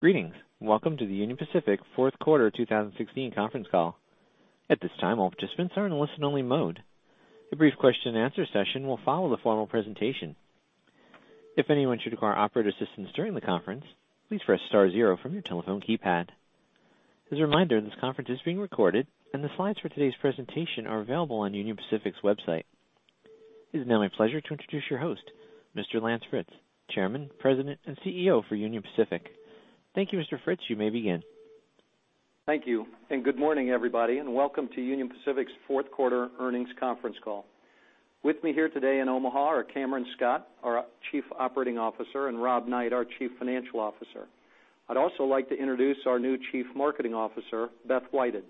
Greetings. Welcome to the Union Pacific fourth quarter 2016 conference call. At this time, all participants are in listen-only mode. A brief question-and-answer session will follow the formal presentation. If anyone should require operator assistance during the conference, please press star zero from your telephone keypad. As a reminder, this conference is being recorded, and the slides for today's presentation are available on Union Pacific's website. It is now my pleasure to introduce your host, Mr. Lance Fritz, Chairman, President, and CEO for Union Pacific. Thank you, Mr. Fritz. You may begin. Thank you. Good morning, everybody. Welcome to Union Pacific's fourth quarter earnings conference call. With me here today in Omaha are Cameron Scott, our Chief Operating Officer, and Rob Knight, our Chief Financial Officer. I'd also like to introduce our new Chief Marketing Officer, Beth Whited.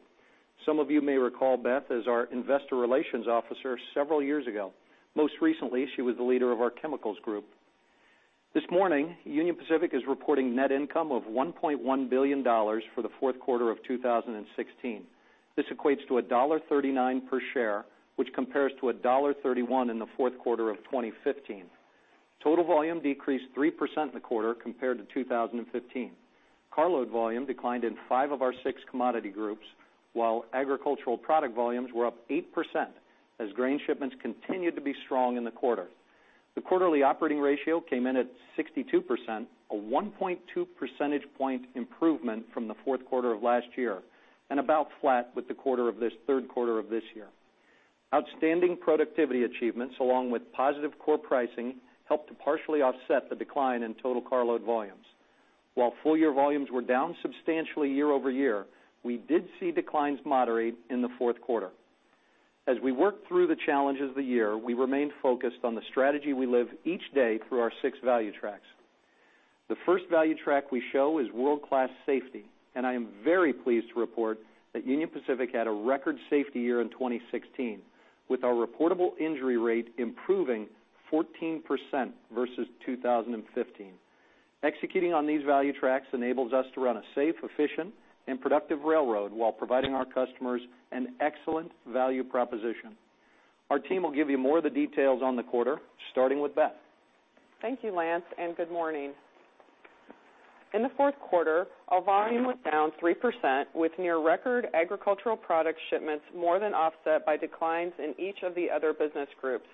Some of you may recall Beth as our Investor Relations Officer several years ago. Most recently, she was the leader of our chemicals group. This morning, Union Pacific is reporting net income of $1.1 billion for the fourth quarter of 2016. This equates to $1.39 per share, which compares to $1.31 in the fourth quarter of 2015. Total volume decreased 3% in the quarter compared to 2015. Carload volume declined in five of our six commodity groups, while agricultural product volumes were up 8% as grain shipments continued to be strong in the quarter. The quarterly operating ratio came in at 62%, a 1.2 percentage point improvement from the fourth quarter of last year, and about flat with the third quarter of this year. Outstanding productivity achievements, along with positive core pricing, helped to partially offset the decline in total carload volumes. While full-year volumes were down substantially year-over-year, we did see declines moderate in the fourth quarter. As we worked through the challenges of the year, we remained focused on the strategy we live each day through our six value tracks. The first value track we show is World-Class Safety, and I am very pleased to report that Union Pacific had a record safety year in 2016, with our reportable injury rate improving 14% versus 2015. Executing on these value tracks enables us to run a safe, efficient, and productive railroad while providing our customers an excellent value proposition. Our team will give you more of the details on the quarter, starting with Beth. Thank you, Lance, and good morning. In the fourth quarter, our volume was down 3%, with near-record agricultural product shipments more than offset by declines in each of the other business groups.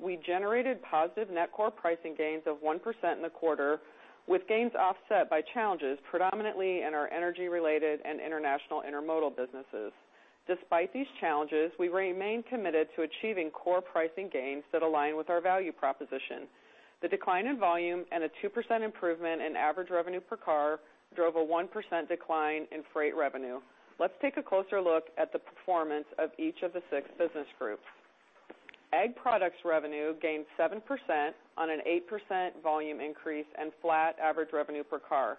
We generated positive net core pricing gains of 1% in the quarter, with gains offset by challenges predominantly in our energy-related and international intermodal businesses. Despite these challenges, we remain committed to achieving core pricing gains that align with our value proposition. The decline in volume and a 2% improvement in average revenue per car drove a 1% decline in freight revenue. Let's take a closer look at the performance of each of the six business groups. Ag products revenue gained 7% on an 8% volume increase and flat average revenue per car.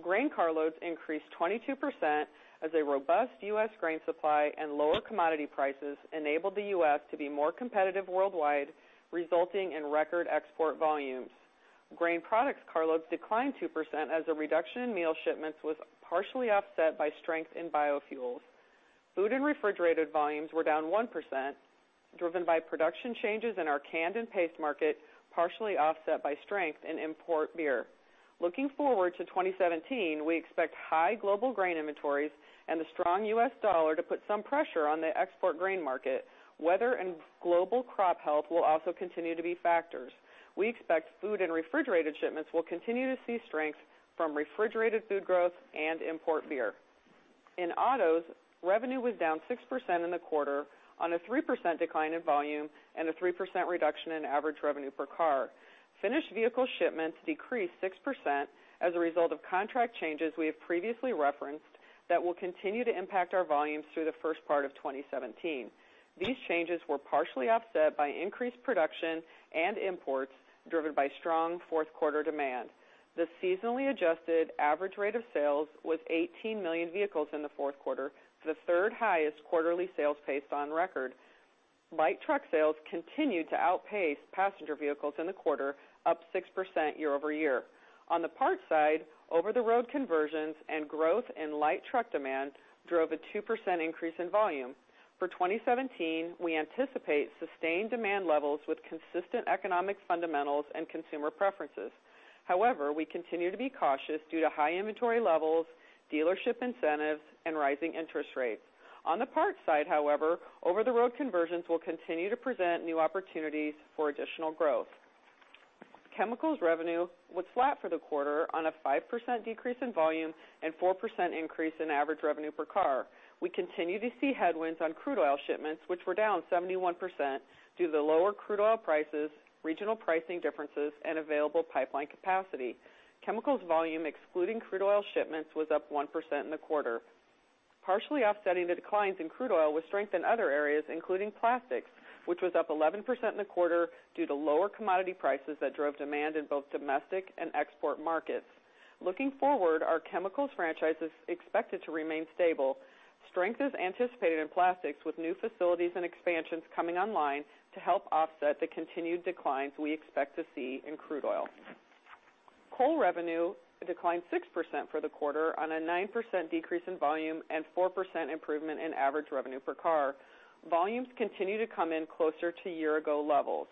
Grain carloads increased 22% as a robust U.S. grain supply and lower commodity prices enabled the U.S. to be more competitive worldwide, resulting in record export volumes. Grain products carloads declined 2% as a reduction in meal shipments was partially offset by strength in biofuels. Food and refrigerated volumes were down 1%, driven by production changes in our canned and paste market, partially offset by strength in import beer. Looking forward to 2017, we expect high global grain inventories and the strong U.S. dollar to put some pressure on the export grain market. Weather and global crop health will also continue to be factors. We expect food and refrigerated shipments will continue to see strength from refrigerated food growth and import beer. In autos, revenue was down 6% in the quarter on a 3% decline in volume and a 3% reduction in average revenue per car. Finished vehicle shipments decreased 6% as a result of contract changes we have previously referenced that will continue to impact our volumes through the first part of 2017. These changes were partially offset by increased production and imports driven by strong fourth quarter demand. The seasonally adjusted average rate of sales was 18 million vehicles in the fourth quarter, the third highest quarterly sales pace on record. Light truck sales continued to outpace passenger vehicles in the quarter, up 6% year-over-year. On the parts side, over-the-road conversions and growth in light truck demand drove a 2% increase in volume. For 2017, we anticipate sustained demand levels with consistent economic fundamentals and consumer preferences. However, we continue to be cautious due to high inventory levels, dealership incentives, and rising interest rates. On the parts side, however, over-the-road conversions will continue to present new opportunities for additional growth. Chemicals revenue was flat for the quarter on a 5% decrease in volume and 4% increase in average revenue per car. We continue to see headwinds on crude oil shipments, which were down 71% due to the lower crude oil prices, regional pricing differences, and available pipeline capacity. Chemicals volume, excluding crude oil shipments, was up 1% in the quarter. Partially offsetting the declines in crude oil was strength in other areas, including plastics, which was up 11% in the quarter due to lower commodity prices that drove demand in both domestic and export markets. Looking forward, our chemicals franchise is expected to remain stable. Strength is anticipated in plastics with new facilities and expansions coming online to help offset the continued declines we expect to see in crude oil. Coal revenue declined 6% for the quarter on a 9% decrease in volume and 4% improvement in average revenue per car. Volumes continue to come in closer to year-ago levels.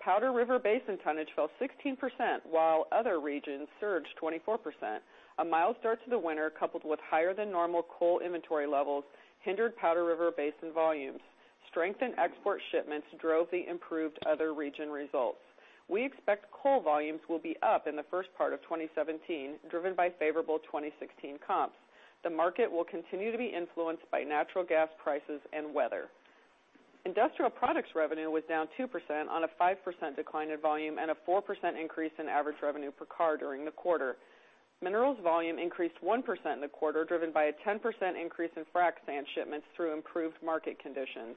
Powder River Basin tonnage fell 16%, while other regions surged 24%. A mild start to the winter, coupled with higher than normal coal inventory levels hindered Powder River Basin volumes. Strengthened export shipments drove the improved other region results. We expect coal volumes will be up in the first part of 2017, driven by favorable 2016 comps. The market will continue to be influenced by natural gas prices and weather. Industrial products revenue was down 2% on a 5% decline in volume and a 4% increase in average revenue per car during the quarter. Minerals volume increased 1% in the quarter, driven by a 10% increase in frac sand shipments through improved market conditions.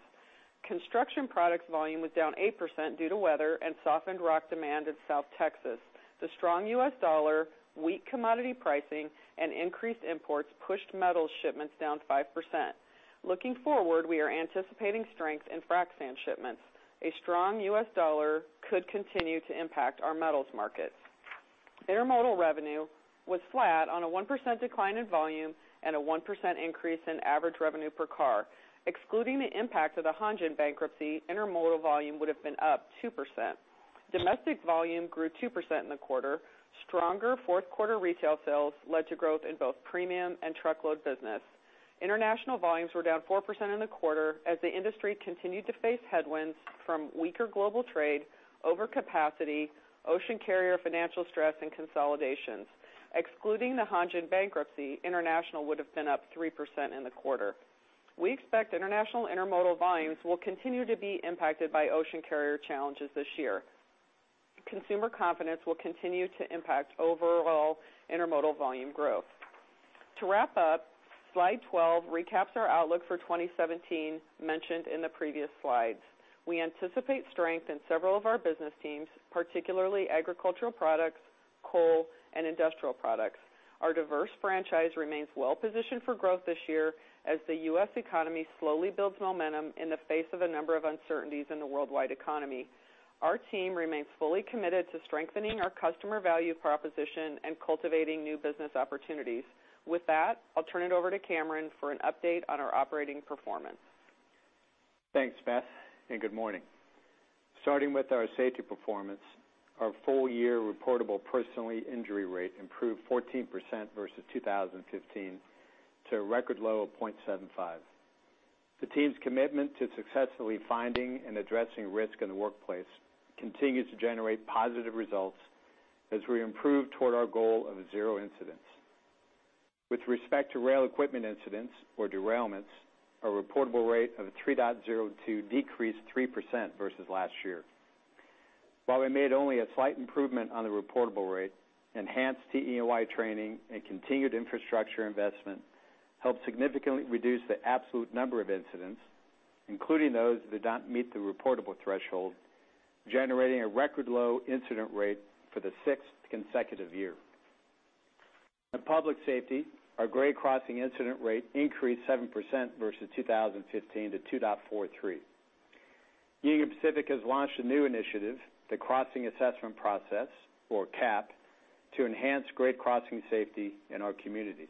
Construction products volume was down 8% due to weather and softened rock demand in South Texas. The strong U.S. dollar, weak commodity pricing, and increased imports pushed metals shipments down 5%. Looking forward, we are anticipating strength in frac sand shipments. A strong U.S. dollar could continue to impact our metals markets. Intermodal revenue was flat on a 1% decline in volume and a 1% increase in average revenue per car. Excluding the impact of the Hanjin bankruptcy, intermodal volume would've been up 2%. Domestic volume grew 2% in the quarter. Stronger fourth quarter retail sales led to growth in both premium and truckload business. International volumes were down 4% in the quarter as the industry continued to face headwinds from weaker global trade, overcapacity, ocean carrier financial stress, and consolidations. Excluding the Hanjin bankruptcy, international would've been up 3% in the quarter. We expect international intermodal volumes will continue to be impacted by ocean carrier challenges this year. Consumer confidence will continue to impact overall intermodal volume growth. To wrap up, slide 12 recaps our outlook for 2017 mentioned in the previous slides. We anticipate strength in several of our business teams, particularly agricultural products, coal, and industrial products. Our diverse franchise remains well-positioned for growth this year as the U.S. economy slowly builds momentum in the face of a number of uncertainties in the worldwide economy. Our team remains fully committed to strengthening our customer value proposition and cultivating new business opportunities. With that, I'll turn it over to Cameron for an update on our operating performance. Thanks, Beth, and good morning. Starting with our safety performance, our full-year reportable personal injury rate improved 14% versus 2015 to a record low of 0.75. The team's commitment to successfully finding and addressing risk in the workplace continues to generate positive results as we improve toward our goal of zero incidents. With respect to rail equipment incidents or derailments, our reportable rate of 3.02 decreased 3% versus last year. While we made only a slight improvement on the reportable rate, enhanced T&E training and continued infrastructure investment helped significantly reduce the absolute number of incidents, including those that don't meet the reportable threshold, generating a record low incident rate for the sixth consecutive year. On public safety, our grade crossing incident rate increased 7% versus 2015 to 2.43. Union Pacific has launched a new initiative, the Crossing Assessment Process, or CAP, to enhance grade crossing safety in our communities.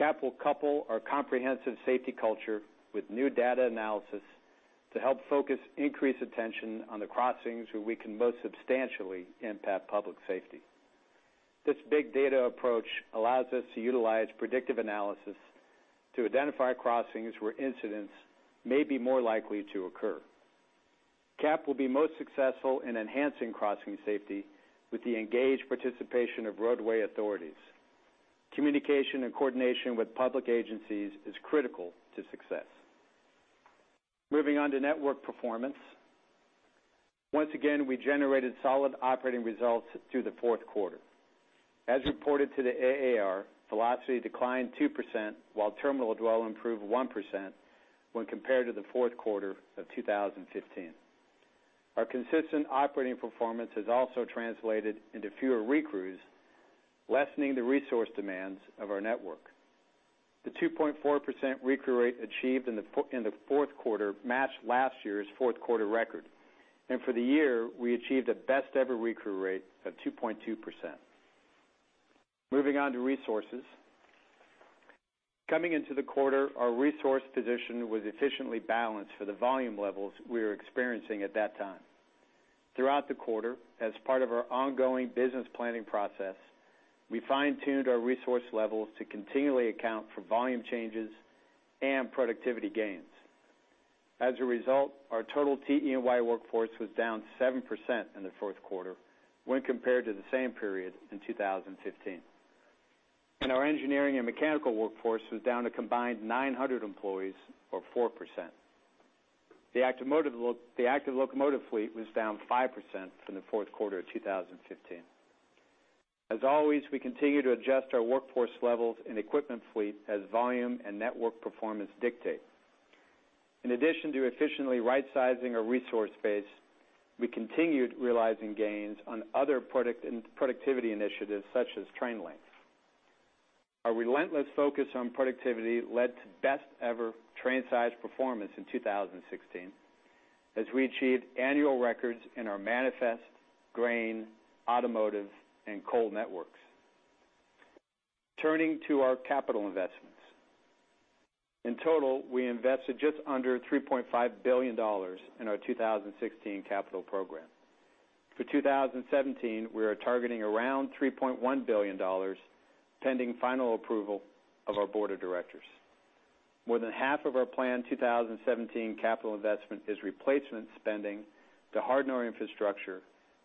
CAP will couple our comprehensive safety culture with new data analysis to help focus increased attention on the crossings where we can most substantially impact public safety. This big data approach allows us to utilize predictive analysis to identify crossings where incidents may be more likely to occur. CAP will be most successful in enhancing crossing safety with the engaged participation of roadway authorities. Communication and coordination with public agencies is critical to success. Moving on to network performance. Once again, we generated solid operating results through the fourth quarter. As reported to the AAR, velocity declined 2%, while terminal dwell improved 1% when compared to the fourth quarter of 2015. Our consistent operating performance has also translated into fewer recrews, lessening the resource demands of our network. The 2.4% recrew rate achieved in the fourth quarter matched last year's fourth-quarter record, for the year, we achieved a best-ever recrew rate of 2.2%. Moving on to resources. Coming into the quarter, our resource position was efficiently balanced for the volume levels we were experiencing at that time. Throughout the quarter, as part of our ongoing business planning process, we fine-tuned our resource levels to continually account for volume changes and productivity gains. As a result, our total T&E workforce was down 7% in the fourth quarter when compared to the same period in 2015. Our engineering and mechanical workforce was down a combined 900 employees or 4%. The active locomotive fleet was down 5% from the fourth quarter of 2015. As always, we continue to adjust our workforce levels and equipment fleet as volume and network performance dictate. In addition to efficiently rightsizing our resource base, we continued realizing gains on other productivity initiatives, such as train length. Our relentless focus on productivity led to best ever train size performance in 2016 as we achieved annual records in our manifest, grain, automotive, and coal networks. Turning to our capital investments. In total, we invested just under $3.5 billion in our 2016 capital program. For 2017, we are targeting around $3.1 billion, pending final approval of our board of directors. More than half of our planned 2017 capital investment is replacement spending to harden our infrastructure,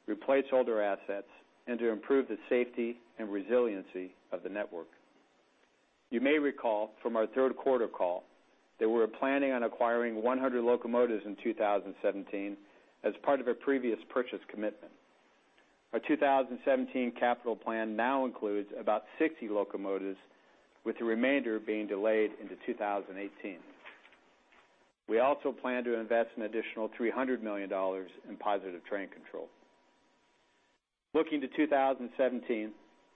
replace older assets, and to improve the safety and resiliency of the network. You may recall from our third quarter call that we were planning on acquiring 100 locomotives in 2017 as part of a previous purchase commitment. Our 2017 capital plan now includes about 60 locomotives, with the remainder being delayed into 2018. We also plan to invest an additional $300 million in Positive Train Control. Looking to 2017,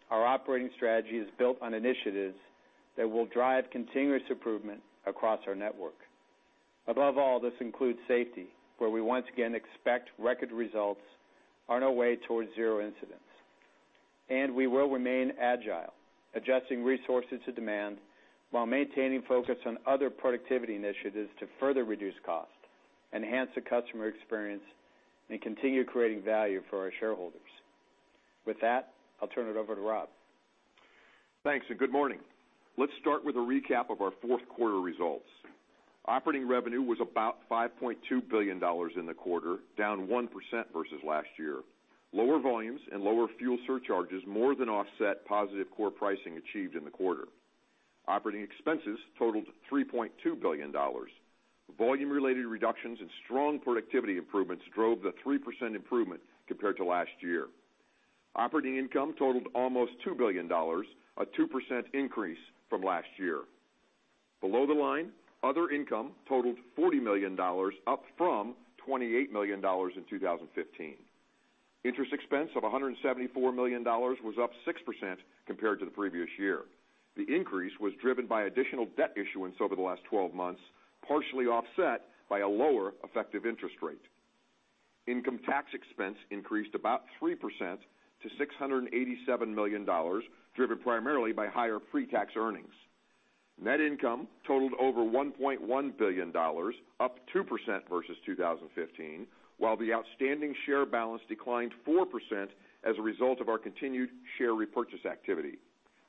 our operating strategy is built on initiatives that will drive continuous improvement across our network. Above all, this includes safety, where we once again expect record results on our way towards zero incidents. We will remain agile, adjusting resources to demand while maintaining focus on other productivity initiatives to further reduce cost, enhance the customer experience, and continue creating value for our shareholders. With that, I'll turn it over to Rob. Thanks. Good morning. Let's start with a recap of our fourth quarter results. Operating revenue was about $5.2 billion in the quarter, down 1% versus last year. Lower volumes and lower fuel surcharges more than offset positive core pricing achieved in the quarter. Operating expenses totaled $3.2 billion. Volume-related reductions and strong productivity improvements drove the 3% improvement compared to last year. Operating income totaled almost $2 billion, a 2% increase from last year. Below the line, other income totaled $40 million, up from $28 million in 2015. Interest expense of $174 million was up 6% compared to the previous year. The increase was driven by additional debt issuance over the last 12 months, partially offset by a lower effective interest rate. Income tax expense increased about 3% to $687 million, driven primarily by higher free tax earnings. Net income totaled over $1.1 billion, up 2% versus 2015, while the outstanding share balance declined 4% as a result of our continued share repurchase activity.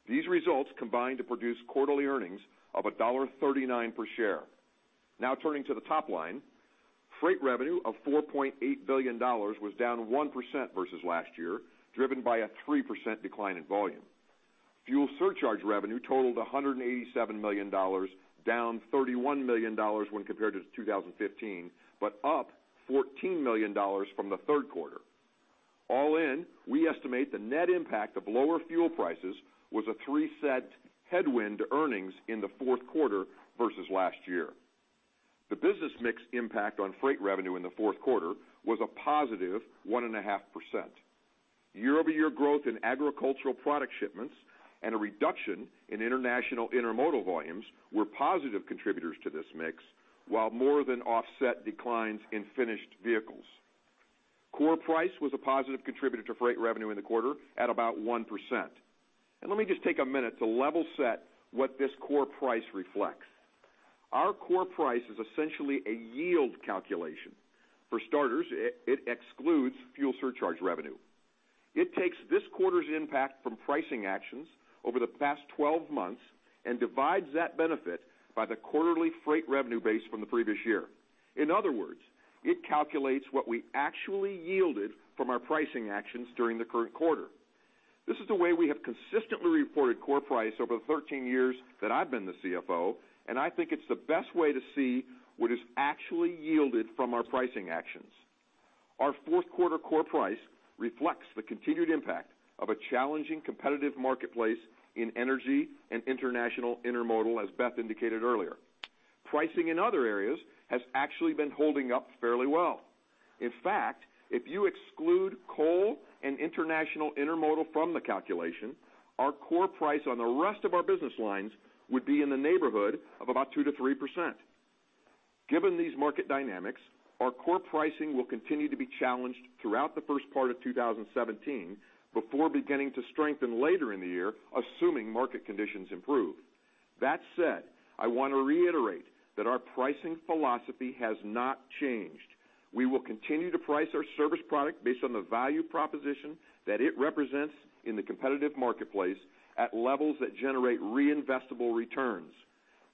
These results combined to produce quarterly earnings of $1.39 per share. Now turning to the top line. Freight revenue of $4.8 billion was down 1% versus last year, driven by a 3% decline in volume. Fuel surcharge revenue totaled $187 million, down $31 million when compared to 2015, but up $14 million from the third quarter. All in, we estimate the net impact of lower fuel prices was a $0.03 headwind to earnings in the fourth quarter versus last year. The business mix impact on freight revenue in the fourth quarter was a positive 1.5%. Year-over-year growth in agricultural product shipments and a reduction in international intermodal volumes were positive contributors to this mix, while more than offset declines in finished vehicles. Core price was a positive contributor to freight revenue in the quarter at about 1%. Let me just take a minute to level set what this core price reflects. Our core price is essentially a yield calculation. For starters, it excludes fuel surcharge revenue. It takes this quarter's impact from pricing actions over the past 12 months and divides that benefit by the quarterly freight revenue base from the previous year. In other words, it calculates what we actually yielded from our pricing actions during the current quarter. This is the way we have consistently reported core price over the 13 years that I've been the CFO, and I think it's the best way to see what is actually yielded from our pricing actions. Our fourth quarter core price reflects the continued impact of a challenging competitive marketplace in energy and international intermodal, as Beth indicated earlier. Pricing in other areas has actually been holding up fairly well. In fact, if you exclude coal and international intermodal from the calculation, our core price on the rest of our business lines would be in the neighborhood of about 2%-3%. Given these market dynamics, our core pricing will continue to be challenged throughout the first part of 2017 before beginning to strengthen later in the year, assuming market conditions improve. That said, I want to reiterate that our pricing philosophy has not changed. We will continue to price our service product based on the value proposition that it represents in the competitive marketplace at levels that generate reinvestable returns.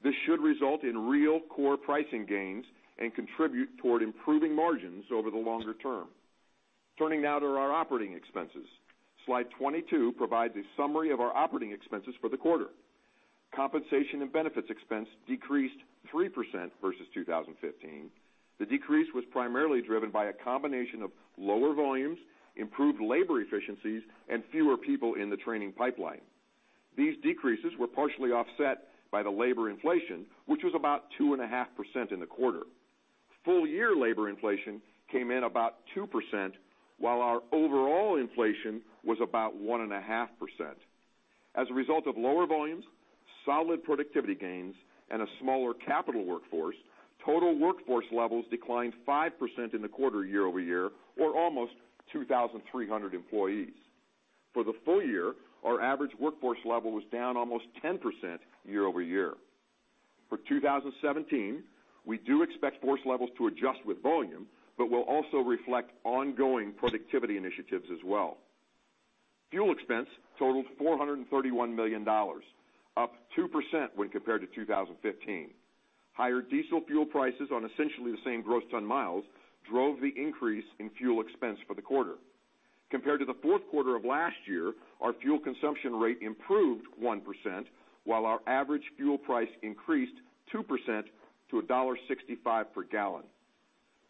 This should result in real core pricing gains and contribute toward improving margins over the longer term. Turning now to our operating expenses. Slide 22 provides a summary of our operating expenses for the quarter. Compensation and benefits expense decreased 3% versus 2015. The decrease was primarily driven by a combination of lower volumes, improved labor efficiencies, and fewer people in the training pipeline. These decreases were partially offset by the labor inflation, which was about 2.5% in the quarter. Full-year labor inflation came in about 2%, while our overall inflation was about 1.5%. As a result of lower volume, solid productivity gains and a smaller capital workforce, total workforce levels declined 5% in the quarter year-over-year or almost 2,300 employees. For the full year, our average workforce level was down almost 10% year-over-year. For 2017, we do expect force levels to adjust with volume, but will also reflect ongoing productivity initiatives as well. Fuel expense totaled $431 million, up 2% when compared to 2015. Higher diesel fuel prices on essentially the same gross ton miles drove the increase in fuel expense for the quarter. Compared to the fourth quarter of last year, our fuel consumption rate improved 1%, while our average fuel price increased 2% to $1.65 per gallon.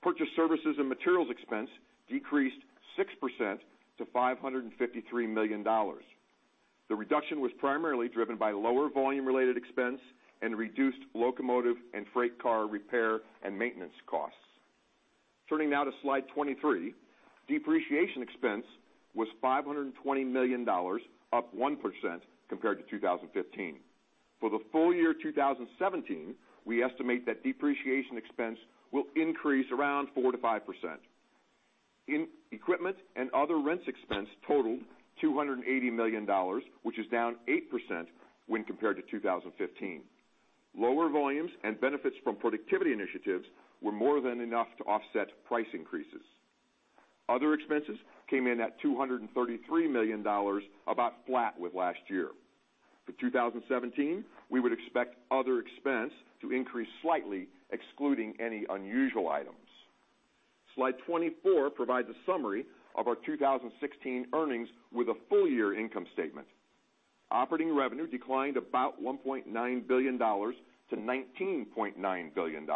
Purchase services and materials expense decreased 6% to $553 million. The reduction was primarily driven by lower volume-related expense and reduced locomotive and freight car repair and maintenance costs. Turning now to Slide 23. Depreciation expense was $520 million, up 1% compared to 2015. For the full year 2017, we estimate that depreciation expense will increase around 4%-5%. Equipment and other rents expense totaled $280 million, which is down 8% when compared to 2015. Lower volumes and benefits from productivity initiatives were more than enough to offset price increases. Other expenses came in at $233 million, about flat with last year. For 2017, we would expect other expense to increase slightly, excluding any unusual items. Slide 24 provides a summary of our 2016 earnings with a full-year income statement. Operating revenue declined about $1.9 billion to $19.9 billion.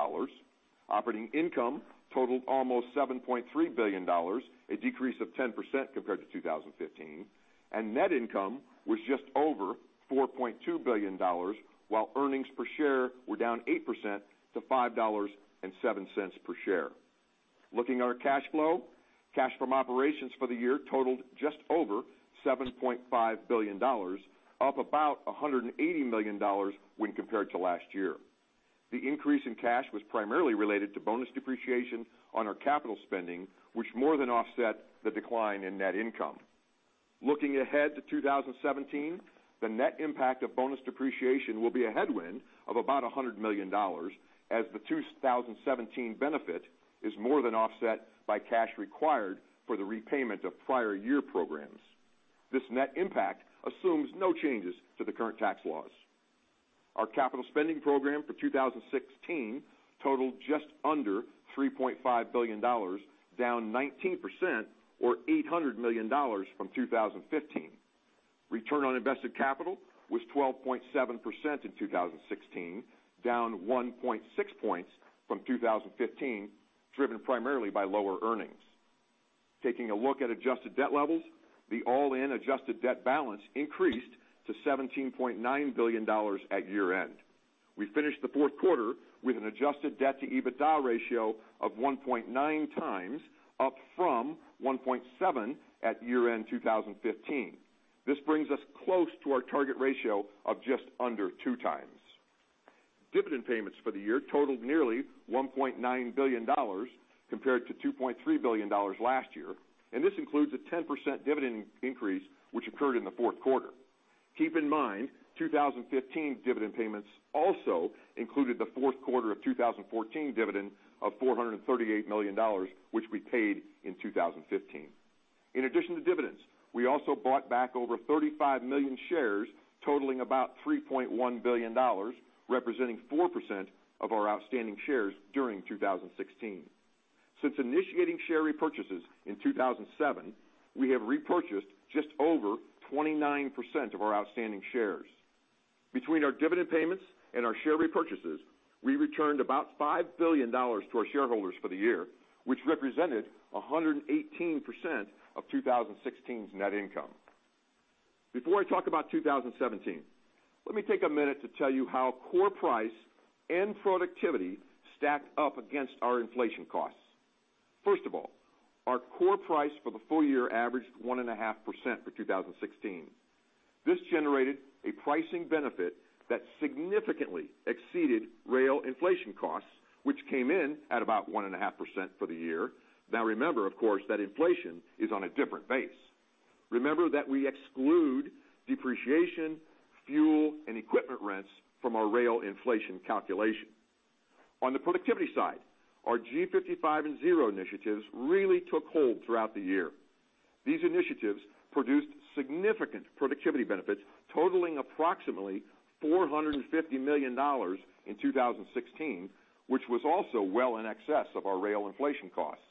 Operating income totaled almost $7.3 billion, a decrease of 10% compared to 2015. Net income was just over $4.2 billion, while earnings per share were down 8% to $5.07 per share. Looking at our cash flow, cash from operations for the year totaled just over $7.5 billion, up about $180 million when compared to last year. The increase in cash was primarily related to bonus depreciation on our capital spending, which more than offset the decline in net income. Looking ahead to 2017, the net impact of bonus depreciation will be a headwind of about $100 million, as the 2017 benefit is more than offset by cash required for the repayment of prior year programs. This net impact assumes no changes to the current tax laws. Our capital spending program for 2016 totaled just under $3.5 billion, down 19% or $800 million from 2015. Return on invested capital was 12.7% in 2016, down 1.6 points from 2015, driven primarily by lower earnings. Taking a look at adjusted debt levels, the all-in adjusted debt balance increased to $17.9 billion at year-end. We finished the fourth quarter with an adjusted debt to EBITDA ratio of 1.9 times, up from 1.7 at year-end 2015. This brings us close to our target ratio of just under 2 times. Dividend payments for the year totaled nearly $1.9 billion compared to $2.3 billion last year. This includes a 10% dividend increase, which occurred in the fourth quarter. Keep in mind, 2015 dividend payments also included the fourth quarter of 2014 dividend of $438 million, which we paid in 2015. In addition to dividends, we also bought back over 35 million shares totaling about $3.1 billion, representing 4% of our outstanding shares during 2016. Since initiating share repurchases in 2007, we have repurchased just over 29% of our outstanding shares. Between our dividend payments and our share repurchases, we returned about $5 billion to our shareholders for the year, which represented 118% of 2016's net income. Before I talk about 2017, let me take a minute to tell you how core price and productivity stacked up against our inflation costs. First of all, our core price for the full year averaged 1.5% for 2016. This generated a pricing benefit that significantly exceeded rail inflation costs, which came in at about 1.5% for the year. Remember, of course, that inflation is on a different base. Remember that we exclude depreciation, fuel, and equipment rents from our rail inflation calculation. On the productivity side, our G55 and Zero initiatives really took hold throughout the year. These initiatives produced significant productivity benefits totaling approximately $450 million in 2016, which was also well in excess of our rail inflation costs.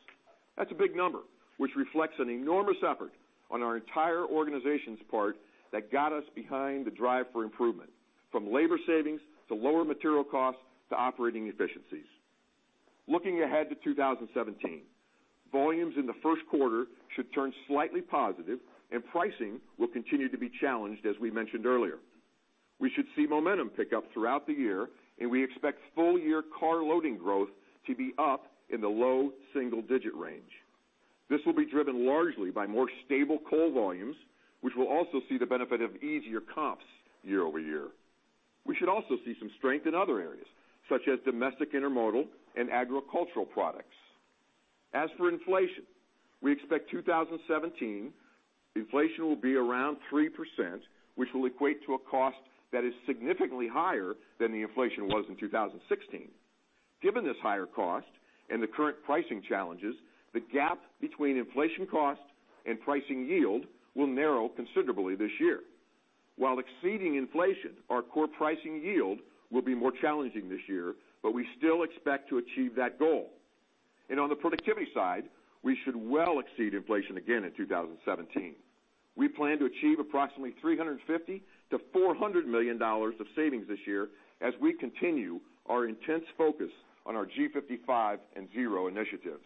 That's a big number, which reflects an enormous effort on our entire organization's part that got us behind the drive for improvement, from labor savings to lower material costs to operating efficiencies. Looking ahead to 2017, volumes in the first quarter should turn slightly positive and pricing will continue to be challenged, as we mentioned earlier. We should see momentum pick up throughout the year, and we expect full-year car loading growth to be up in the low single-digit range. This will be driven largely by more stable coal volumes, which will also see the benefit of easier comps year-over-year. We should also see some strength in other areas, such as domestic intermodal and agricultural products. As for inflation, we expect 2017 inflation will be around 3%, which will equate to a cost that is significantly higher than the inflation was in 2016. Given this higher cost and the current pricing challenges, the gap between inflation cost and pricing yield will narrow considerably this year. While exceeding inflation, our core pricing yield will be more challenging this year, but we still expect to achieve that goal. On the productivity side, we should well exceed inflation again in 2017. We plan to achieve approximately $350 million-$400 million of savings this year as we continue our intense focus on our G55 and Zero initiatives.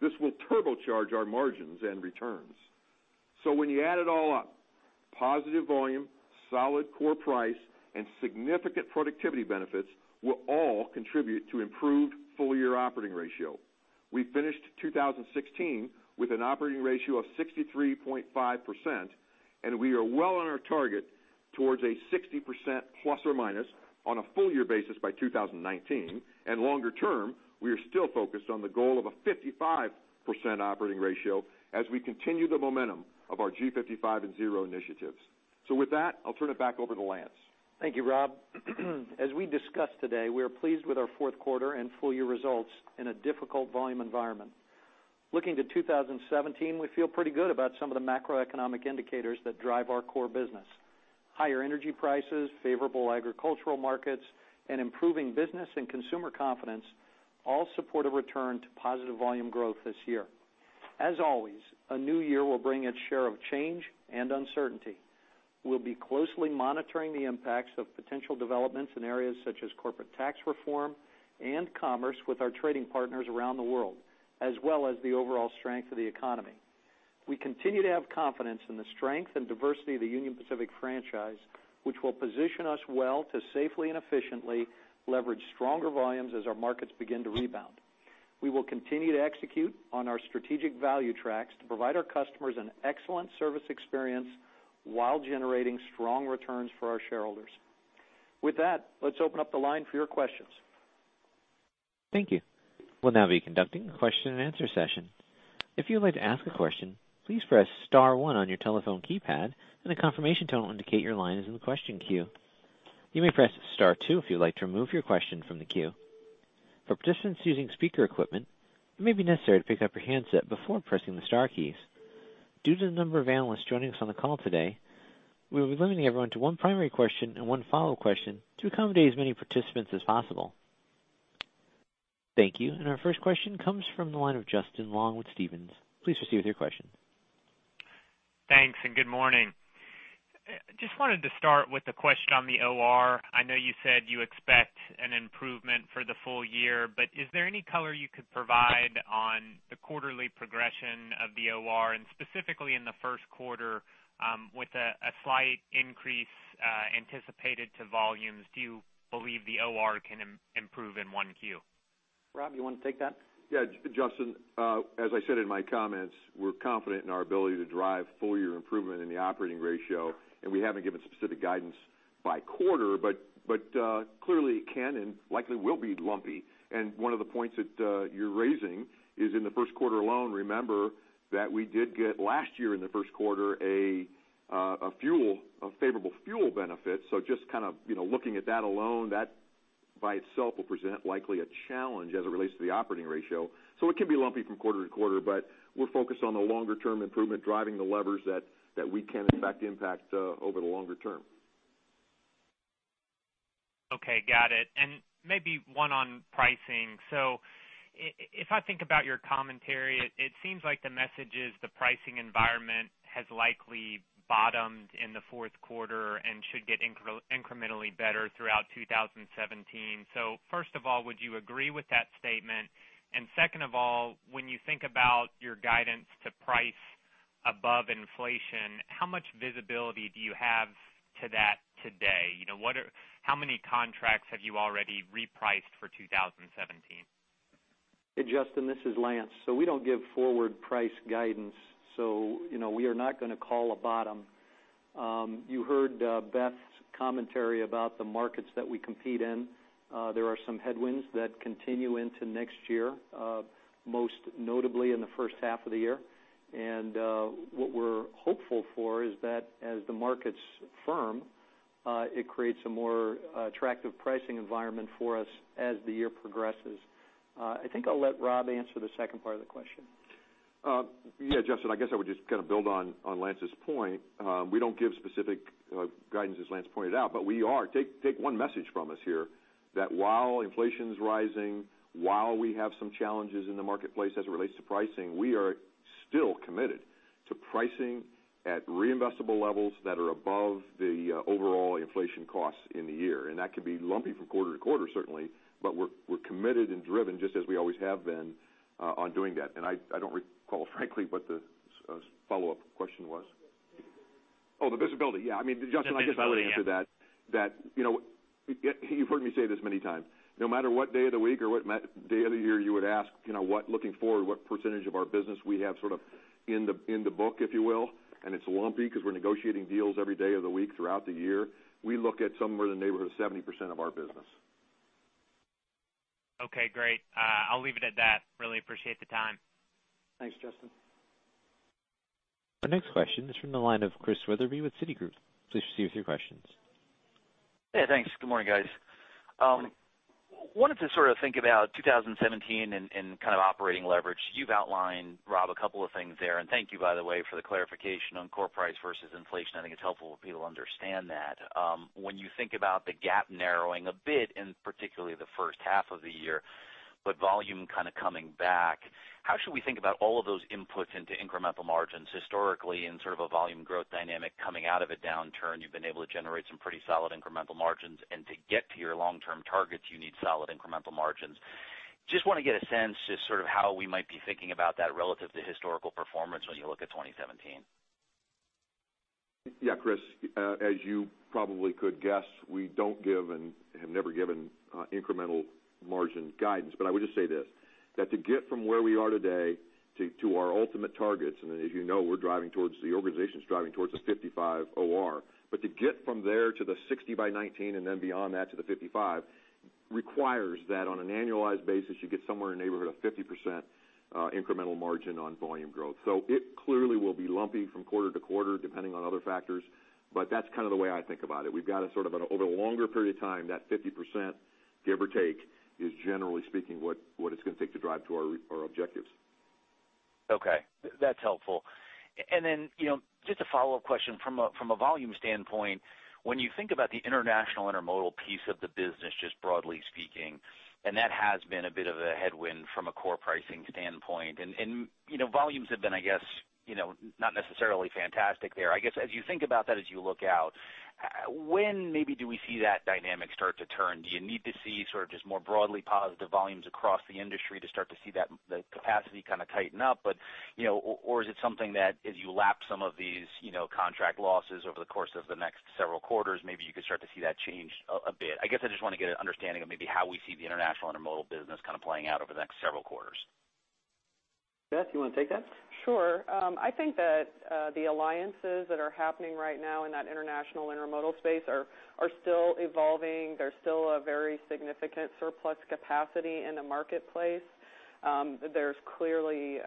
This will turbocharge our margins and returns. When you add it all up, positive volume, solid core price, and significant productivity benefits will all contribute to improved full-year operating ratio. We finished 2016 with an operating ratio of 63.5%, and we are well on our target towards a 60% ± on a full-year basis by 2019. Longer term, we are still focused on the goal of a 55% operating ratio as we continue the momentum of our G55 and Zero initiatives. With that, I'll turn it back over to Lance. Thank you, Rob. As we discussed today, we are pleased with our fourth quarter and full-year results in a difficult volume environment. Looking to 2017, we feel pretty good about some of the macroeconomic indicators that drive our core business. Higher energy prices, favorable agricultural markets, and improving business and consumer confidence all support a return to positive volume growth this year. As always, a new year will bring its share of change and uncertainty. We'll be closely monitoring the impacts of potential developments in areas such as corporate tax reform and commerce with our trading partners around the world, as well as the overall strength of the economy. We continue to have confidence in the strength and diversity of the Union Pacific franchise, which will position us well to safely and efficiently leverage stronger volumes as our markets begin to rebound. We will continue to execute on our strategic value tracks to provide our customers an excellent service experience while generating strong returns for our shareholders. With that, let's open up the line for your questions. Thank you. We'll now be conducting a question and answer session. If you would like to ask a question, please press *1 on your telephone keypad, and a confirmation tone will indicate your line is in the question queue. You may press *2 if you'd like to remove your question from the queue. For participants using speaker equipment, it may be necessary to pick up your handset before pressing the star keys. Due to the number of analysts joining us on the call today, we will be limiting everyone to one primary question and one follow question to accommodate as many participants as possible. Thank you. Our first question comes from the line of Justin Long with Stephens. Please proceed with your question. Thanks, good morning. Just wanted to start with a question on the OR. I know you said you expect an improvement for the full-year. Is there any color you could provide on the quarterly progression of the OR? Specifically in the first quarter, with a slight increase anticipated to volumes, do you believe the OR can improve in one Q? Rob, you want to take that? Yeah. Justin, as I said in my comments, we're confident in our ability to drive full-year improvement in the operating ratio, and we haven't given specific guidance by quarter, but clearly it can and likely will be lumpy. One of the points that you're raising is in the first quarter alone, remember that we did get last year in the first quarter, a favorable fuel benefit. Just kind of looking at that alone, that by itself will present likely a challenge as it relates to the operating ratio. It can be lumpy from quarter to quarter, but we're focused on the longer-term improvement, driving the levers that we can, in fact, impact over the longer term. Okay, got it. Maybe one on pricing. If I think about your commentary, it seems like the message is the pricing environment has likely bottomed in the fourth quarter and should get incrementally better throughout 2017. First of all, would you agree with that statement? Second of all, when you think about your guidance to price above inflation, how much visibility do you have to that today? How many contracts have you already repriced for 2017? Hey, Justin, this is Lance. We don't give forward price guidance, so we are not going to call a bottom. You heard Beth's commentary about the markets that we compete in. There are some headwinds that continue into next year, most notably in the first half of the year. What we're hopeful for is that as the markets firm, it creates a more attractive pricing environment for us as the year progresses. I think I'll let Rob answer the second part of the question. Justin, I guess I would just kind of build on Lance's point. We don't give specific guidance, as Lance pointed out. Take one message from us here that while inflation's rising, while we have some challenges in the marketplace as it relates to pricing, we are still committed to pricing at reinvestable levels that are above the overall inflation costs in the year. That can be lumpy from quarter to quarter, certainly, but we're committed and driven, just as we always have been, on doing that. I don't recall frankly what the follow-up question was. Oh, the visibility. Justin, I guess I would answer that, you've heard me say this many times, no matter what day of the week or what day of the year you would ask, looking forward, what percentage of our business we have sort of in the book, if you will, and it's lumpy because we're negotiating deals every day of the week, throughout the year. We look at somewhere in the neighborhood of 70% of our business. Okay, great. I'll leave it at that. Really appreciate the time. Thanks, Justin. Our next question is from the line of Chris Wetherbee with Citigroup. Please proceed with your questions. Yeah, thanks. Good morning, guys. Good morning. Wanted to sort of think about 2017 and kind of operating leverage. You've outlined, Rob, a couple of things there. Thank you, by the way, for the clarification on core price versus inflation. I think it's helpful if people understand that. When you think about the gap narrowing a bit in particularly the first half of the year, but volume kind of coming back, how should we think about all of those inputs into incremental margins historically and sort of a volume growth dynamic coming out of a downturn, you've been able to generate some pretty solid incremental margins, and to get to your long-term targets, you need solid incremental margins. I just want to get a sense as sort of how we might be thinking about that relative to historical performance when you look at 2017? Chris, as you probably could guess, we don't give and have never given incremental margin guidance. I would just say this, that to get from where we are today to our ultimate targets, and as you know, the organization's driving towards a 55 OR. To get from there to the 60 by 2019 and then beyond that to the 55, requires that on an annualized basis, you get somewhere in the neighborhood of 50% incremental margin on volume growth. It clearly will be lumpy from quarter to quarter, depending on other factors, but that's kind of the way I think about it. We've got a sort of over a longer period of time, that 50%, give or take, is generally speaking, what it's going to take to drive to our objectives. Okay. That's helpful. Just a follow-up question. From a volume standpoint, when you think about the international intermodal piece of the business, just broadly speaking, that has been a bit of a headwind from a core pricing standpoint. Volumes have been, I guess, not necessarily fantastic there. I guess as you think about that as you look out, when maybe do we see that dynamic start to turn? Do you need to see sort of just more broadly positive volumes across the industry to start to see that capacity kind of tighten up? Is it something that as you lap some of these contract losses over the course of the next several quarters, maybe you could start to see that change a bit. I guess I just want to get an understanding of maybe how we see the international intermodal business kind of playing out over the next several quarters. Beth, you want to take that? Sure. I think that the alliances that are happening right now in that international intermodal space are still evolving. There's still a very significant surplus capacity in the marketplace. There's clearly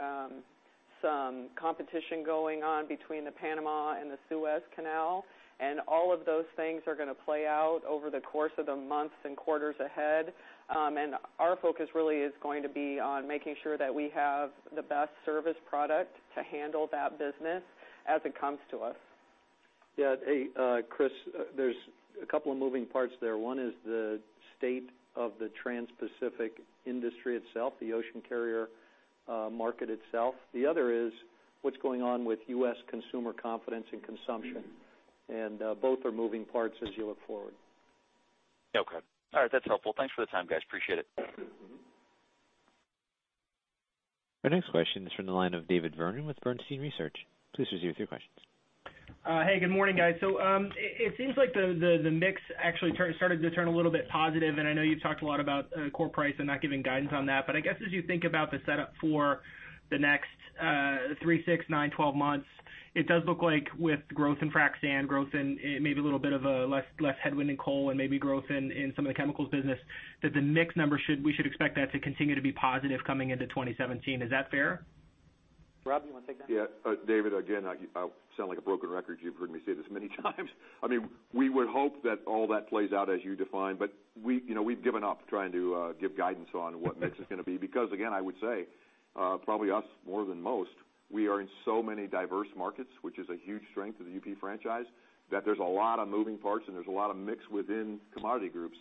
some competition going on between the Panama and the Suez Canal. All of those things are going to play out over the course of the months and quarters ahead. Our focus really is going to be on making sure that we have the best service product to handle that business as it comes to us. Chris, there's a couple of moving parts there. One is the state of the transpacific industry itself, the ocean carrier market itself. The other is what's going on with U.S. consumer confidence and consumption. Both are moving parts as you look forward. Okay. All right. That's helpful. Thanks for the time, guys. Appreciate it. Our next question is from the line of David Vernon with Bernstein Research. Please proceed with your questions. Hey, good morning, guys. It seems like the mix actually started to turn a little bit positive. I know you've talked a lot about core price and not giving guidance on that. I guess as you think about the setup for the next three, six, nine, 12 months, it does look like with growth in frac sand, growth in maybe a little bit of a less headwind in coal and maybe growth in some of the chemicals business, that the mix numbers, we should expect that to continue to be positive coming into 2017. Is that fair? Rob, you want to take that? Yeah. David, again, I sound like a broken record. You've heard me say this many times. We would hope that all that plays out as you define, but we've given up trying to give guidance on what mix is going to be. Again, I would say, probably us more than most, we are in so many diverse markets, which is a huge strength of the UP franchise, that there's a lot of moving parts, and there's a lot of mix within commodity groups.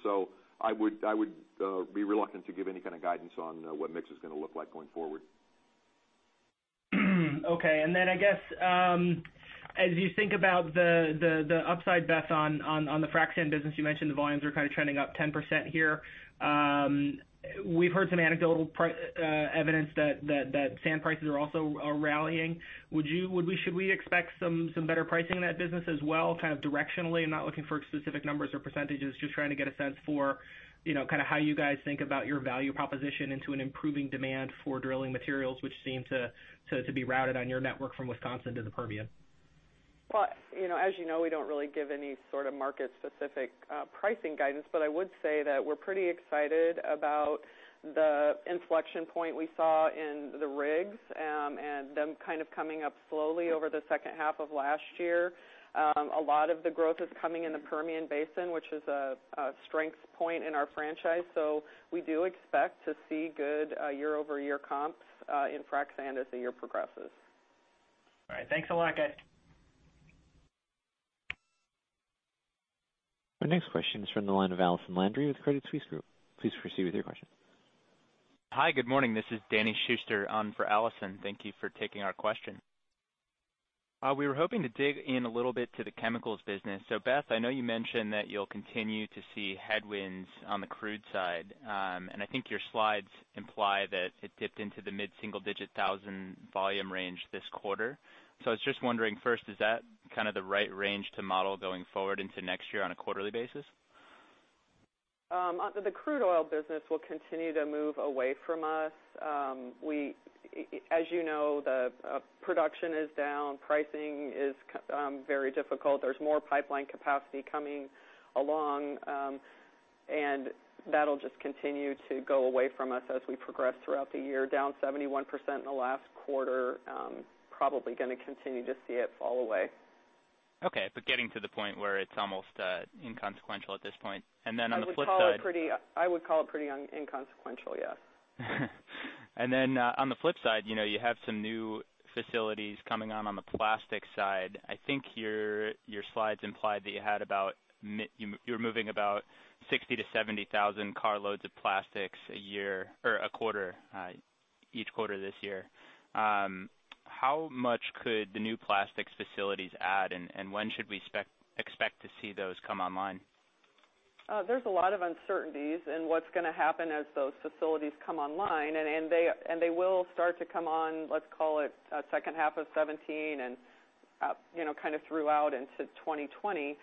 I would be reluctant to give any kind of guidance on what mix is going to look like going forward. Okay. I guess, as you think about the upside, Beth, on the frac sand business, you mentioned the volumes are kind of trending up 10% here. We've heard some anecdotal evidence that sand prices are also rallying. Should we expect some better pricing in that business as well, kind of directionally? I'm not looking for specific numbers or percentages, just trying to get a sense for how you guys think about your value proposition into an improving demand for drilling materials, which seem to be routed on your network from Wisconsin to the Permian. As you know, we don't really give any sort of market specific pricing guidance. I would say that we're pretty excited about the inflection point we saw in the rigs, and them kind of coming up slowly over the second half of last year. A lot of the growth is coming in the Permian Basin, which is a strength point in our franchise. We do expect to see good year-over-year comps in frac sand as the year progresses. All right. Thanks a lot, guys. Our next question is from the line of Allison Landry with Credit Suisse Group. Please proceed with your question. Hi, good morning. This is Danny Schuster on for Allison. Thank you for taking our question. We were hoping to dig in a little bit to the chemicals business. Beth, I know you mentioned that you'll continue to see headwinds on the crude side. I think your slides imply that it dipped into the mid-single digit thousand volume range this quarter. I was just wondering, first, is that kind of the right range to model going forward into next year on a quarterly basis? The crude oil business will continue to move away from us. As you know, the production is down, pricing is very difficult. There's more pipeline capacity coming along, that'll just continue to go away from us as we progress throughout the year, down 71% in the last quarter. Probably going to continue to see it fall away. Okay, getting to the point where it's almost inconsequential at this point. Then on the flip side- I would call it pretty inconsequential, yes. On the flip side, you have some new facilities coming on on the plastic side. I think your slides implied that you were moving about 60,000-70,000 carloads of plastics a year, or a quarter, each quarter this year. How much could the new plastics facilities add, and when should we expect to see those come online? There's a lot of uncertainties in what's going to happen as those facilities come online, and they will start to come on, let's call it, second half of 2017 and kind of throughout into 2020.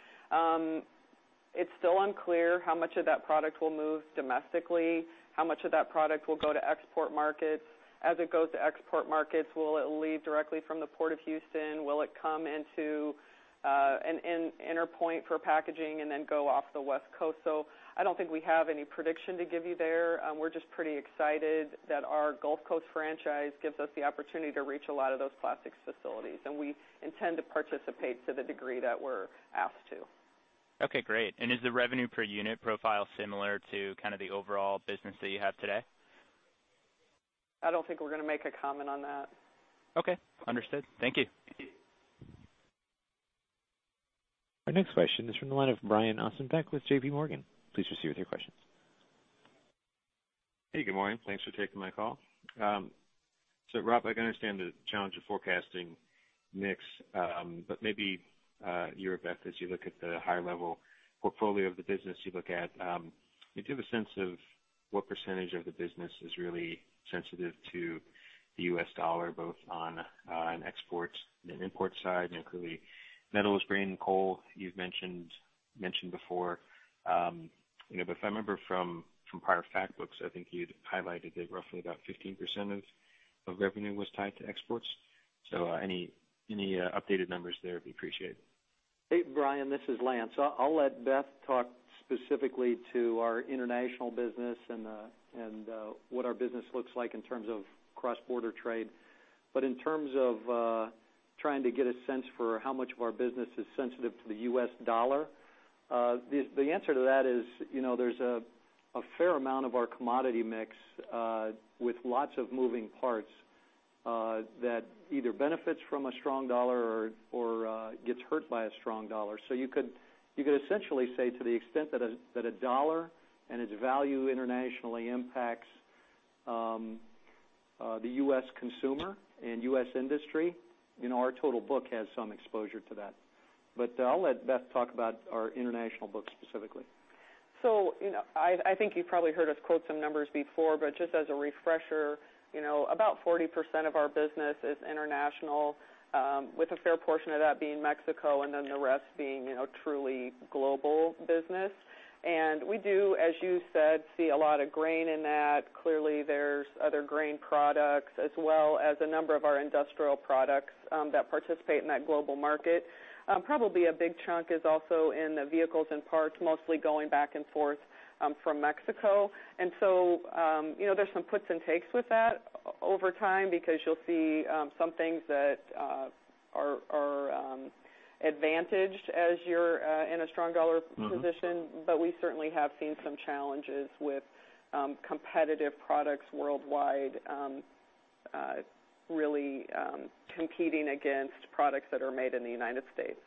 It's still unclear how much of that product will move domestically, how much of that product will go to export markets. As it goes to export markets, will it leave directly from the Port of Houston? Will it come into an inner point for packaging and then go off the West Coast? I don't think we have any prediction to give you there. We're just pretty excited that our Gulf Coast franchise gives us the opportunity to reach a lot of those plastics facilities, and we intend to participate to the degree that we're asked to. Okay, great. Is the revenue per unit profile similar to kind of the overall business that you have today? I don't think we're going to make a comment on that. Okay, understood. Thank you. Our next question is from the line of Brian Ossenbeck with JP Morgan. Please proceed with your question. Hey, good morning. Thanks for taking my call. Rob, I can understand the challenge of forecasting mix. Maybe you or Beth, as you look at the high-level portfolio of the business you look at, do you have a sense of what percentage of the business is really sensitive to the U.S. dollar, both on an export and an import side? Clearly, metals, grain, and coal, you've mentioned before. If I remember from prior fact books, I think you'd highlighted that roughly about 15% of revenue was tied to exports. Any updated numbers there would be appreciated. Hey, Brian, this is Lance. I'll let Beth talk specifically to our international business and what our business looks like in terms of cross-border trade. In terms of trying to get a sense for how much of our business is sensitive to the U.S. dollar, the answer to that is there's a fair amount of our commodity mix with lots of moving parts that either benefits from a strong dollar or gets hurt by a strong dollar. You could essentially say to the extent that a dollar and its value internationally impacts the U.S. consumer and U.S. industry, our total book has some exposure to that. I'll let Beth talk about our international book specifically. I think you've probably heard us quote some numbers before, but just as a refresher, about 40% of our business is international, with a fair portion of that being Mexico and then the rest being truly global business. We do, as you said, see a lot of grain in that. Clearly, there's other grain products as well as a number of our industrial products that participate in that global market. Probably a big chunk is also in the vehicles and parts, mostly going back and forth from Mexico. So there's some puts and takes with that over time because you'll see some things that are advantaged as you're in a strong dollar position. We certainly have seen some challenges with competitive products worldwide really competing against products that are made in the United States.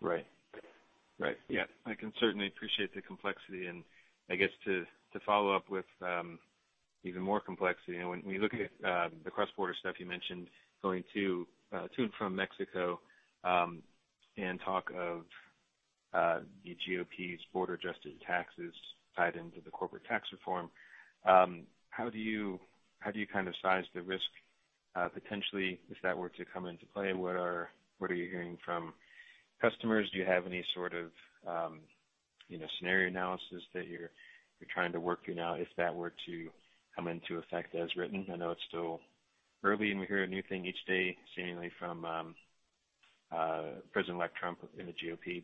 Right. Yes. I can certainly appreciate the complexity, and I guess to follow up with even more complexity, when we look at the cross-border stuff you mentioned going to and from Mexico, and talk of the GOP's border-adjusted taxes tied into the corporate tax reform, how do you size the risk potentially, if that were to come into play? What are you hearing from customers? Do you have any sort of scenario analysis that you're trying to work through now if that were to come into effect as written? I know it's still early, and we hear a new thing each day, seemingly from President-elect Trump and the GOP,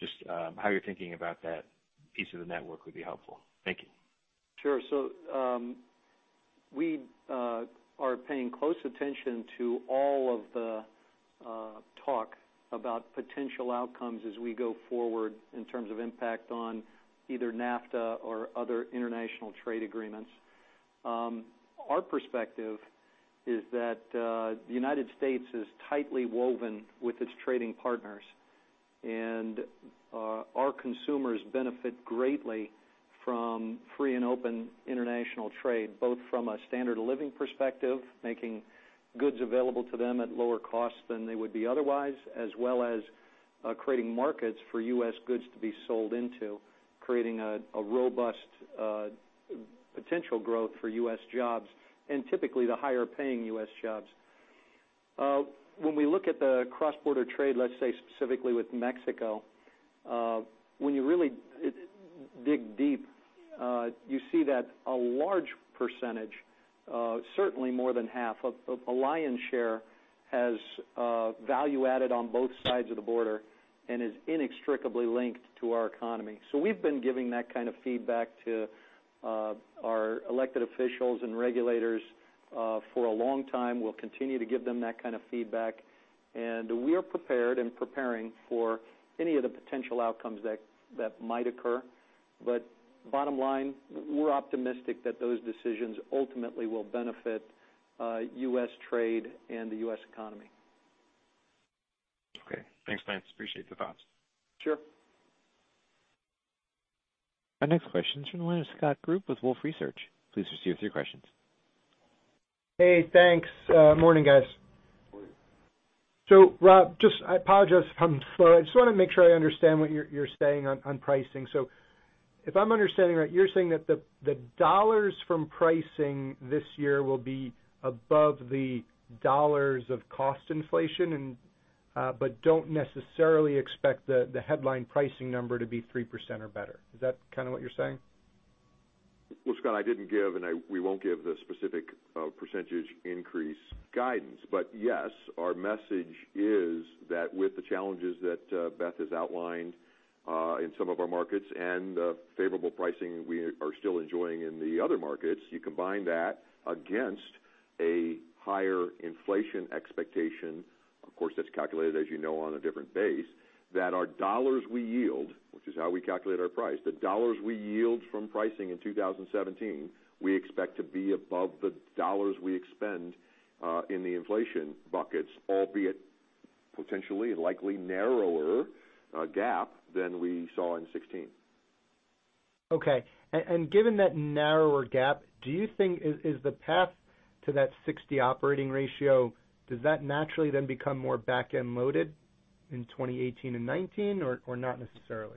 just how you're thinking about that piece of the network would be helpful. Thank you. Sure. We are paying close attention to all of the talk about potential outcomes as we go forward in terms of impact on either NAFTA or other international trade agreements. Our perspective is that the United States is tightly woven with its trading partners, and our consumers benefit greatly from free and open international trade, both from a standard of living perspective, making goods available to them at lower cost than they would be otherwise, as well as creating markets for U.S. goods to be sold into, creating a robust potential growth for U.S. jobs, and typically the higher-paying U.S. jobs. When we look at the cross-border trade, let's say specifically with Mexico, when you really dig deep, you see that a large percentage, certainly more than half, a lion's share, has value added on both sides of the border and is inextricably linked to our economy. We've been giving that kind of feedback to our elected officials and regulators for a long time. We'll continue to give them that kind of feedback, and we are prepared and preparing for any of the potential outcomes that might occur. Bottom line, we're optimistic that those decisions ultimately will benefit US trade and the US economy. Okay. Thanks, Lance. Appreciate the thoughts. Sure. Our next question's from the line of Scott Group with Wolfe Research. Please proceed with your questions. Hey, thanks. Morning, guys. Morning. Rob, I apologize if I'm slow. I just want to make sure I understand what you're saying on pricing. If I'm understanding right, you're saying that the dollars from pricing this year will be above the dollars of cost inflation, but don't necessarily expect the headline pricing number to be 3% or better. Is that what you're saying? Well, Scott, I didn't give, and we won't give the specific percentage increase guidance. Yes, our message is that with the challenges that Beth has outlined in some of our markets and the favorable pricing we are still enjoying in the other markets, you combine that against a higher inflation expectation, of course, that's calculated, as you know, on a different base, that our dollars we yield, which is how we calculate our price, the dollars we yield from pricing in 2017, we expect to be above the dollars we expend in the inflation buckets, albeit potentially a likely narrower gap than we saw in 2016. Okay. Given that narrower gap, do you think, is the path to that 60 operating ratio, does that naturally then become more back-end loaded in 2018 and 2019 or not necessarily?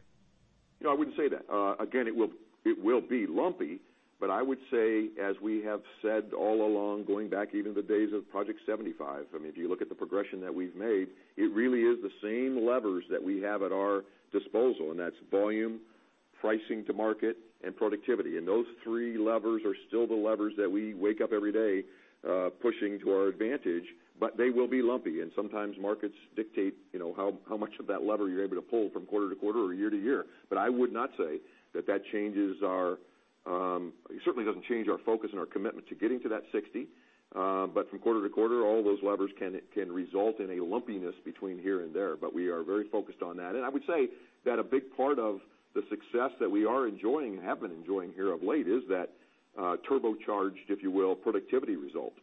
No, I wouldn't say that. Again, it will be lumpy, but I would say, as we have said all along, going back even to the days of Project 75, if you look at the progression that we've made, it really is the same levers that we have at our disposal, and that's volume, pricing to market, and productivity. Those three levers are still the levers that we wake up every day pushing to our advantage, but they will be lumpy, and sometimes markets dictate how much of that lever you're able to pull from quarter to quarter or year to year. I would not say that that changes our focus and our commitment to getting to that 60. From quarter to quarter, all those levers can result in a lumpiness between here and there. We are very focused on that. I would say that a big part of the success that we are enjoying and have been enjoying here of late is that turbocharged, if you will, productivity result.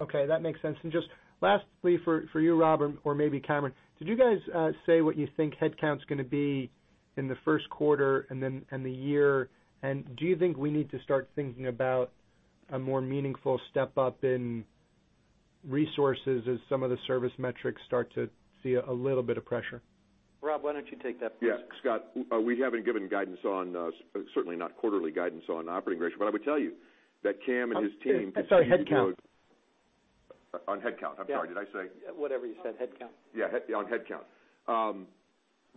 Okay, that makes sense. Just lastly for you, Rob, or maybe Cameron, did you guys say what you think headcount's going to be in the first quarter and the year? Do you think we need to start thinking about a more meaningful step-up in resources as some of the service metrics start to see a little bit of pressure? Rob, why don't you take that first? Yeah. Scott, we haven't given guidance on, certainly not quarterly guidance on operating ratio, but I would tell you that Cam and his team. Sorry, headcount. On headcount. I'm sorry, did I say? Whatever you said. Headcount. Yeah, on headcount.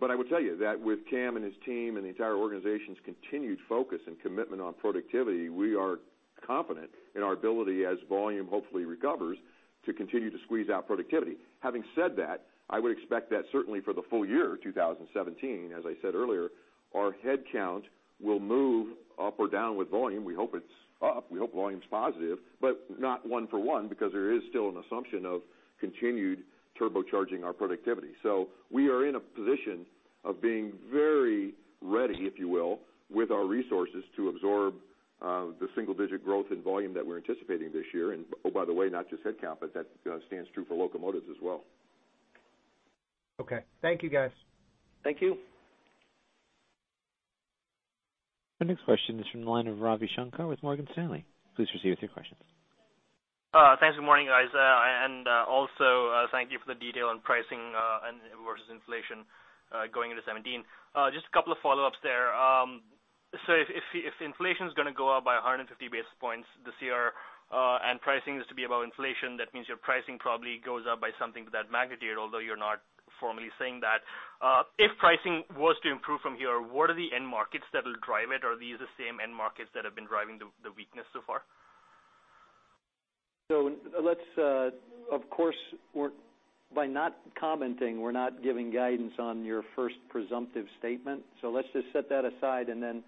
I would tell you that with Cam and his team and the entire organization's continued focus and commitment on productivity, we are confident in our ability as volume hopefully recovers, to continue to squeeze out productivity. Having said that, I would expect that certainly for the full year 2017, as I said earlier, our headcount will move up or down with volume. We hope it's up. We hope volume's positive, but not one for one because there is still an assumption of continued turbocharging our productivity. We are in a position of being very ready, if you will, with our resources to absorb the single-digit growth in volume that we're anticipating this year. Oh, by the way, not just headcount, but that stands true for locomotives as well. Okay. Thank you, guys. Thank you. Our next question is from the line of Ravi Shanker with Morgan Stanley. Please proceed with your questions. Thanks. Good morning, guys. Also thank you for the detail on pricing versus inflation going into 2017. Just a couple of follow-ups there. If inflation's going to go up by 150 basis points this year and pricing is to be above inflation, that means your pricing probably goes up by something to that magnitude, although you're not formally saying that. If pricing was to improve from here, what are the end markets that will drive it? Are these the same end markets that have been driving the weakness so far? Let's, of course, by not commenting, we're not giving guidance on your first presumptive statement. Let's just set that aside, and then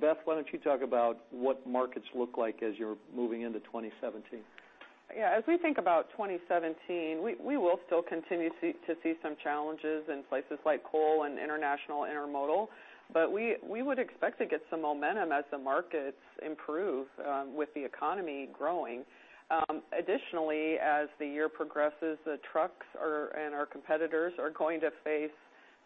Beth Whited, why don't you talk about what markets look like as you're moving into 2017? Yeah. As we think about 2017, we will still continue to see some challenges in places like coal and international intermodal, but we would expect to get some momentum as the markets improve with the economy growing. Additionally, as the year progresses, the trucks and our competitors are going to face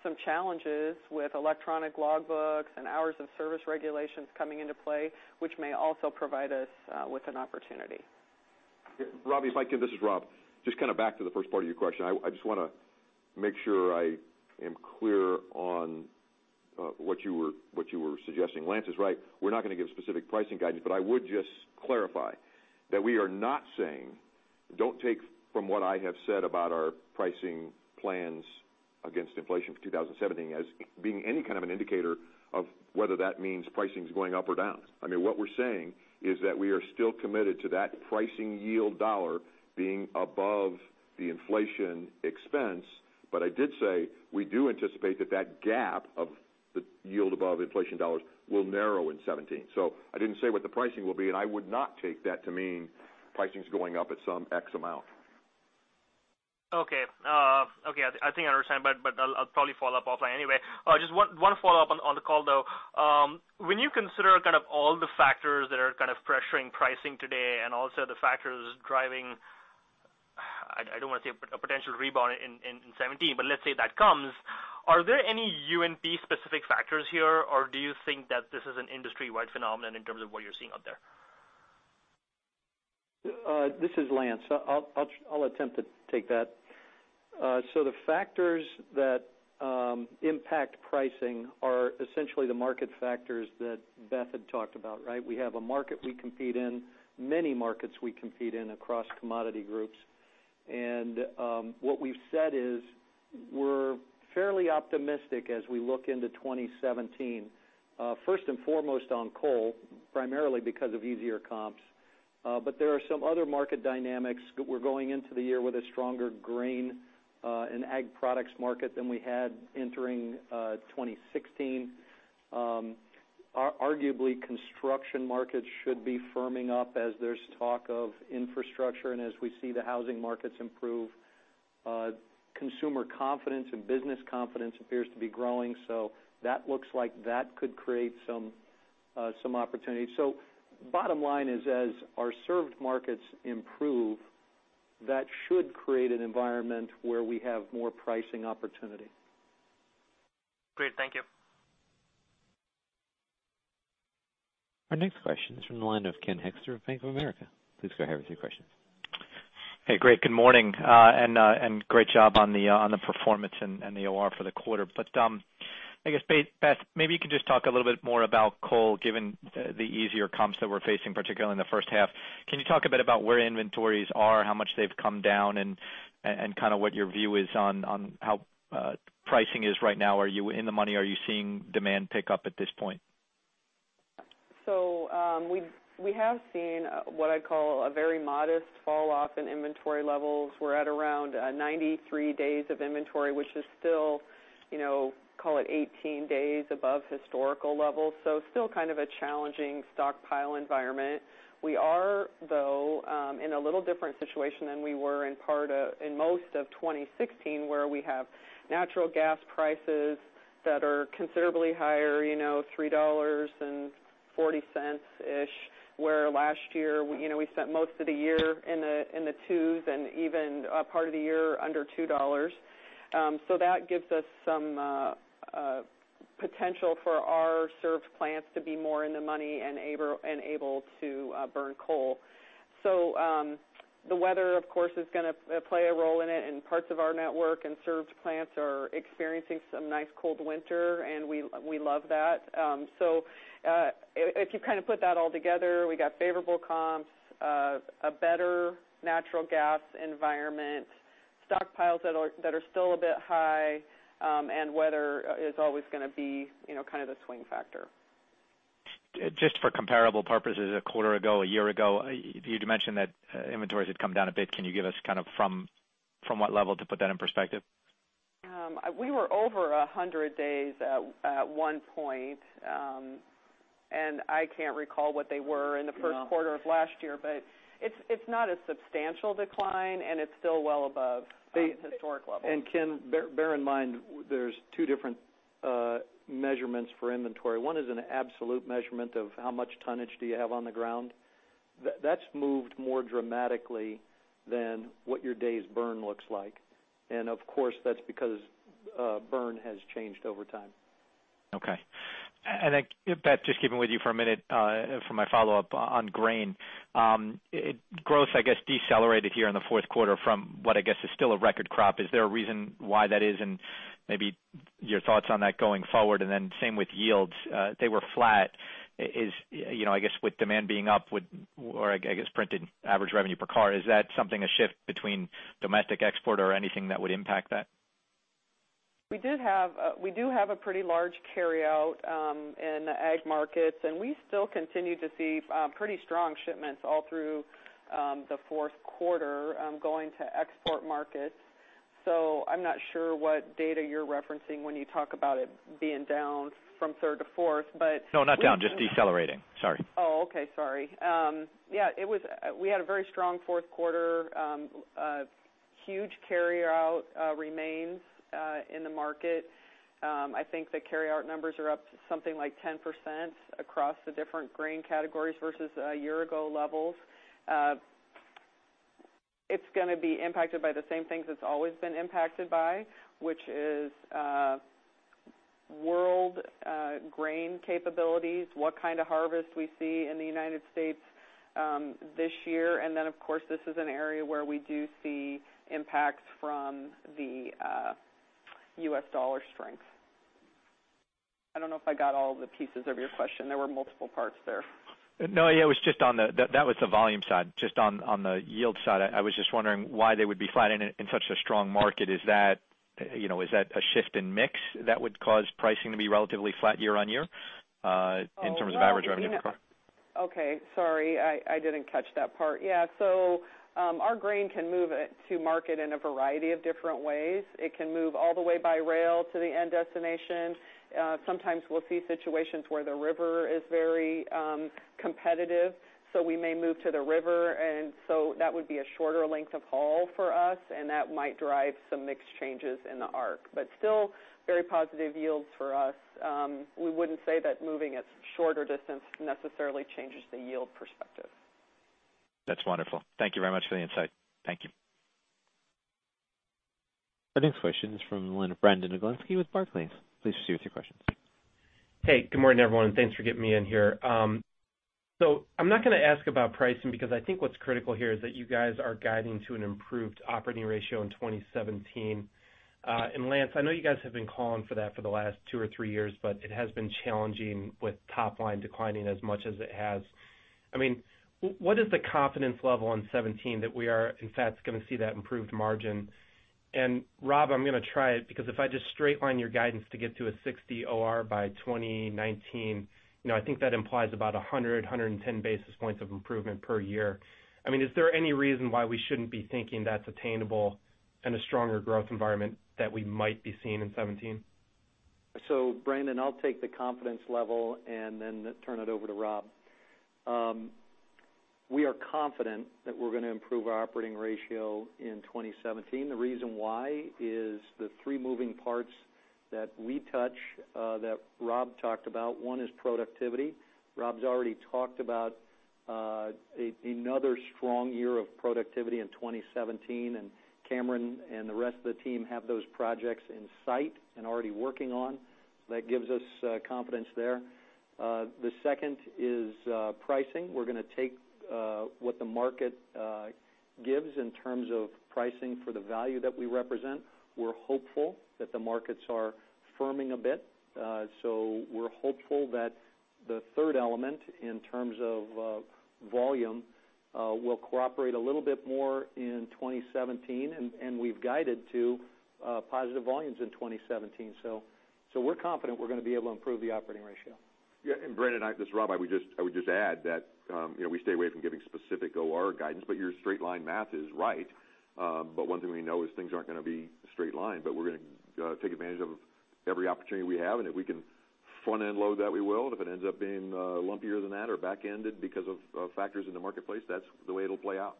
some challenges with electronic logbooks and hours of service regulations coming into play, which may also provide us with an opportunity. Ravi Shanker, if I can, this is Rob Knight. Just back to the first part of your question, I just want to make sure I am clear on what you were suggesting, Lance Fritz is right. We're not going to give specific pricing guidance, but I would just clarify that we are not saying, don't take from what I have said about our pricing plans against inflation for 2017 as being any kind of an indicator of whether that means pricing is going up or down. What we're saying is that we are still committed to that pricing yield dollar being above the inflation expense. I did say, we do anticipate that that gap of the yield above inflation dollars will narrow in 2017. I didn't say what the pricing will be, and I would not take that to mean pricing is going up at some X amount. Okay. I think I understand, I'll probably follow up offline anyway. Just one follow-up on the call, though. When you consider all the factors that are pressuring pricing today and also the factors driving, I don't want to say a potential rebound in 2017, let's say that comes, are there any UNP specific factors here, or do you think that this is an industry-wide phenomenon in terms of what you're seeing out there? This is Lance. I'll attempt to take that. The factors that impact pricing are essentially the market factors that Beth had talked about. We have a market we compete in, many markets we compete in across commodity groups. What we've said is we're fairly optimistic as we look into 2017. First and foremost on coal, primarily because of easier comps. There are some other market dynamics. We're going into the year with a stronger grain and ag products market than we had entering 2016. Arguably, construction markets should be firming up as there's talk of infrastructure and as we see the housing markets improve. Consumer confidence and business confidence appears to be growing, so that looks like that could create some opportunities. Bottom line is as our served markets improve, that should create an environment where we have more pricing opportunity. Great. Thank you. Our next question is from the line of Ken Hoexter of Bank of America. Please go ahead with your question. Hey, great. Good morning, and great job on the performance and the OR for the quarter. I guess, Beth, maybe you can just talk a little bit more about coal, given the easier comps that we're facing, particularly in the first half. Can you talk a bit about where inventories are, how much they've come down, and what your view is on how pricing is right now? Are you in the money? Are you seeing demand pick up at this point? We have seen what I'd call a very modest fall off in inventory levels. We're at around 93 days of inventory, which is still call it 18 days above historical levels. Still kind of a challenging stockpile environment. We are, though, in a little different situation than we were in most of 2016, where we have natural gas prices that are considerably higher, $3.40-ish, where last year, we spent most of the year in the 2s and even a part of the year under $2. That gives us some potential for our served plants to be more in the money and able to burn coal. The weather, of course, is going to play a role in it and parts of our network and served plants are experiencing some nice cold winter, and we love that. If you put that all together, we got favorable comps, a better natural gas environment, stockpiles that are still a bit high, and weather is always going to be the swing factor. Just for comparable purposes, a quarter ago, a year ago, you'd mentioned that inventories had come down a bit. Can you give us from what level to put that in perspective? We were over 100 days at one point, and I can't recall what they were in the first quarter of last year, but it's not a substantial decline, and it's still well above historic levels. Ken, bear in mind, there's two different measurements for inventory. One is an absolute measurement of how much tonnage do you have on the ground. That's moved more dramatically than what your days burn looks like. Of course, that's because burn has changed over time. Okay. Beth, just keeping with you for a minute for my follow-up on grain. Growth, I guess, decelerated here in the fourth quarter from what I guess is still a record crop. Is there a reason why that is, and maybe your thoughts on that going forward? Then same with yields. They were flat. I guess with demand being up, or I guess printed average revenue per car, is that something a shift between domestic export or anything that would impact that? We do have a pretty large carryout in the ag markets, and we still continue to see pretty strong shipments all through the fourth quarter going to export markets. I'm not sure what data you're referencing when you talk about it being down from third to fourth. No, not down, just decelerating. Sorry. Oh, okay. Sorry. Yeah, we had a very strong fourth quarter. Huge carryout remains in the market. I think the carryout numbers are up something like 10% across the different grain categories versus year-ago levels. It's going to be impacted by the same things it's always been impacted by, which is world grain capabilities, what kind of harvest we see in the United States This year, of course, this is an area where we do see impacts from the U.S. dollar strength. I don't know if I got all the pieces of your question. There were multiple parts there. No, yeah, that was the volume side. Just on the yield side, I was just wondering why they would be flat in such a strong market. Is that a shift in mix that would cause pricing to be relatively flat year-on-year in terms of average revenue per car? Okay, sorry, I didn't catch that part. Yeah, our grain can move it to market in a variety of different ways. It can move all the way by rail to the end destination. Sometimes we'll see situations where the river is very competitive, so we may move to the river, that would be a shorter length of haul for us, and that might drive some mix changes in the arc. Still, very positive yields for us. We wouldn't say that moving a shorter distance necessarily changes the yield perspective. That's wonderful. Thank you very much for the insight. Thank you. Our next question is from the line of Brandon Oglenski with Barclays. Please proceed with your questions. Hey, good morning, everyone, and thanks for getting me in here. I'm not going to ask about pricing because I think what's critical here is that you guys are guiding to an improved operating ratio in 2017. Lance, I know you guys have been calling for that for the last two or three years, but it has been challenging with top line declining as much as it has. What is the confidence level in 2017 that we are, in fact, going to see that improved margin? Rob, I'm going to try it, because if I just straight line your guidance to get to a 60 OR by 2019, I think that implies about 100, 110 basis points of improvement per year. Is there any reason why we shouldn't be thinking that's attainable and a stronger growth environment that we might be seeing in 2017? Brandon, I'll take the confidence level and then turn it over to Rob. We are confident that we're going to improve our operating ratio in 2017. The reason why is the three moving parts that we touch that Rob talked about. One is productivity. Rob's already talked about another strong year of productivity in 2017, and Cameron and the rest of the team have those projects in sight and already working on. That gives us confidence there. The second is pricing. We're going to take what the market gives in terms of pricing for the value that we represent. We're hopeful that the markets are firming a bit. We're hopeful that the third element, in terms of volume, will cooperate a little bit more in 2017. We've guided to positive volumes in 2017. We're confident we're going to be able to improve the operating ratio. Brandon, this is Rob, I would just add that we stay away from giving specific OR guidance, but your straight-line math is right. One thing we know is things aren't going to be a straight line, we're going to take advantage of every opportunity we have, and if we can front-end load that, we will. If it ends up being lumpier than that or back-ended because of factors in the marketplace, that's the way it'll play out.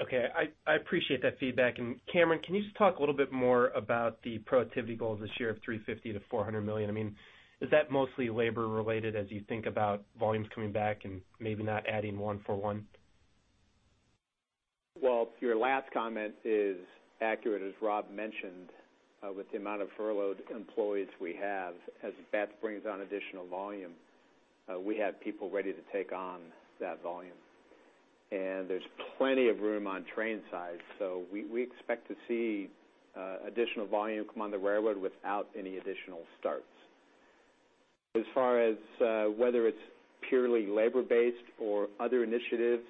Okay. I appreciate that feedback. Cameron, can you just talk a little bit more about the productivity goals this year of $350 million to $400 million? Is that mostly labor related as you think about volumes coming back and maybe not adding one for one? Well, your last comment is accurate, as Rob mentioned, with the amount of furloughed employees we have, as Beth brings on additional volume, we have people ready to take on that volume. There's plenty of room on train size, so we expect to see additional volume come on the railroad without any additional starts. As far as whether it's purely labor-based or other initiatives,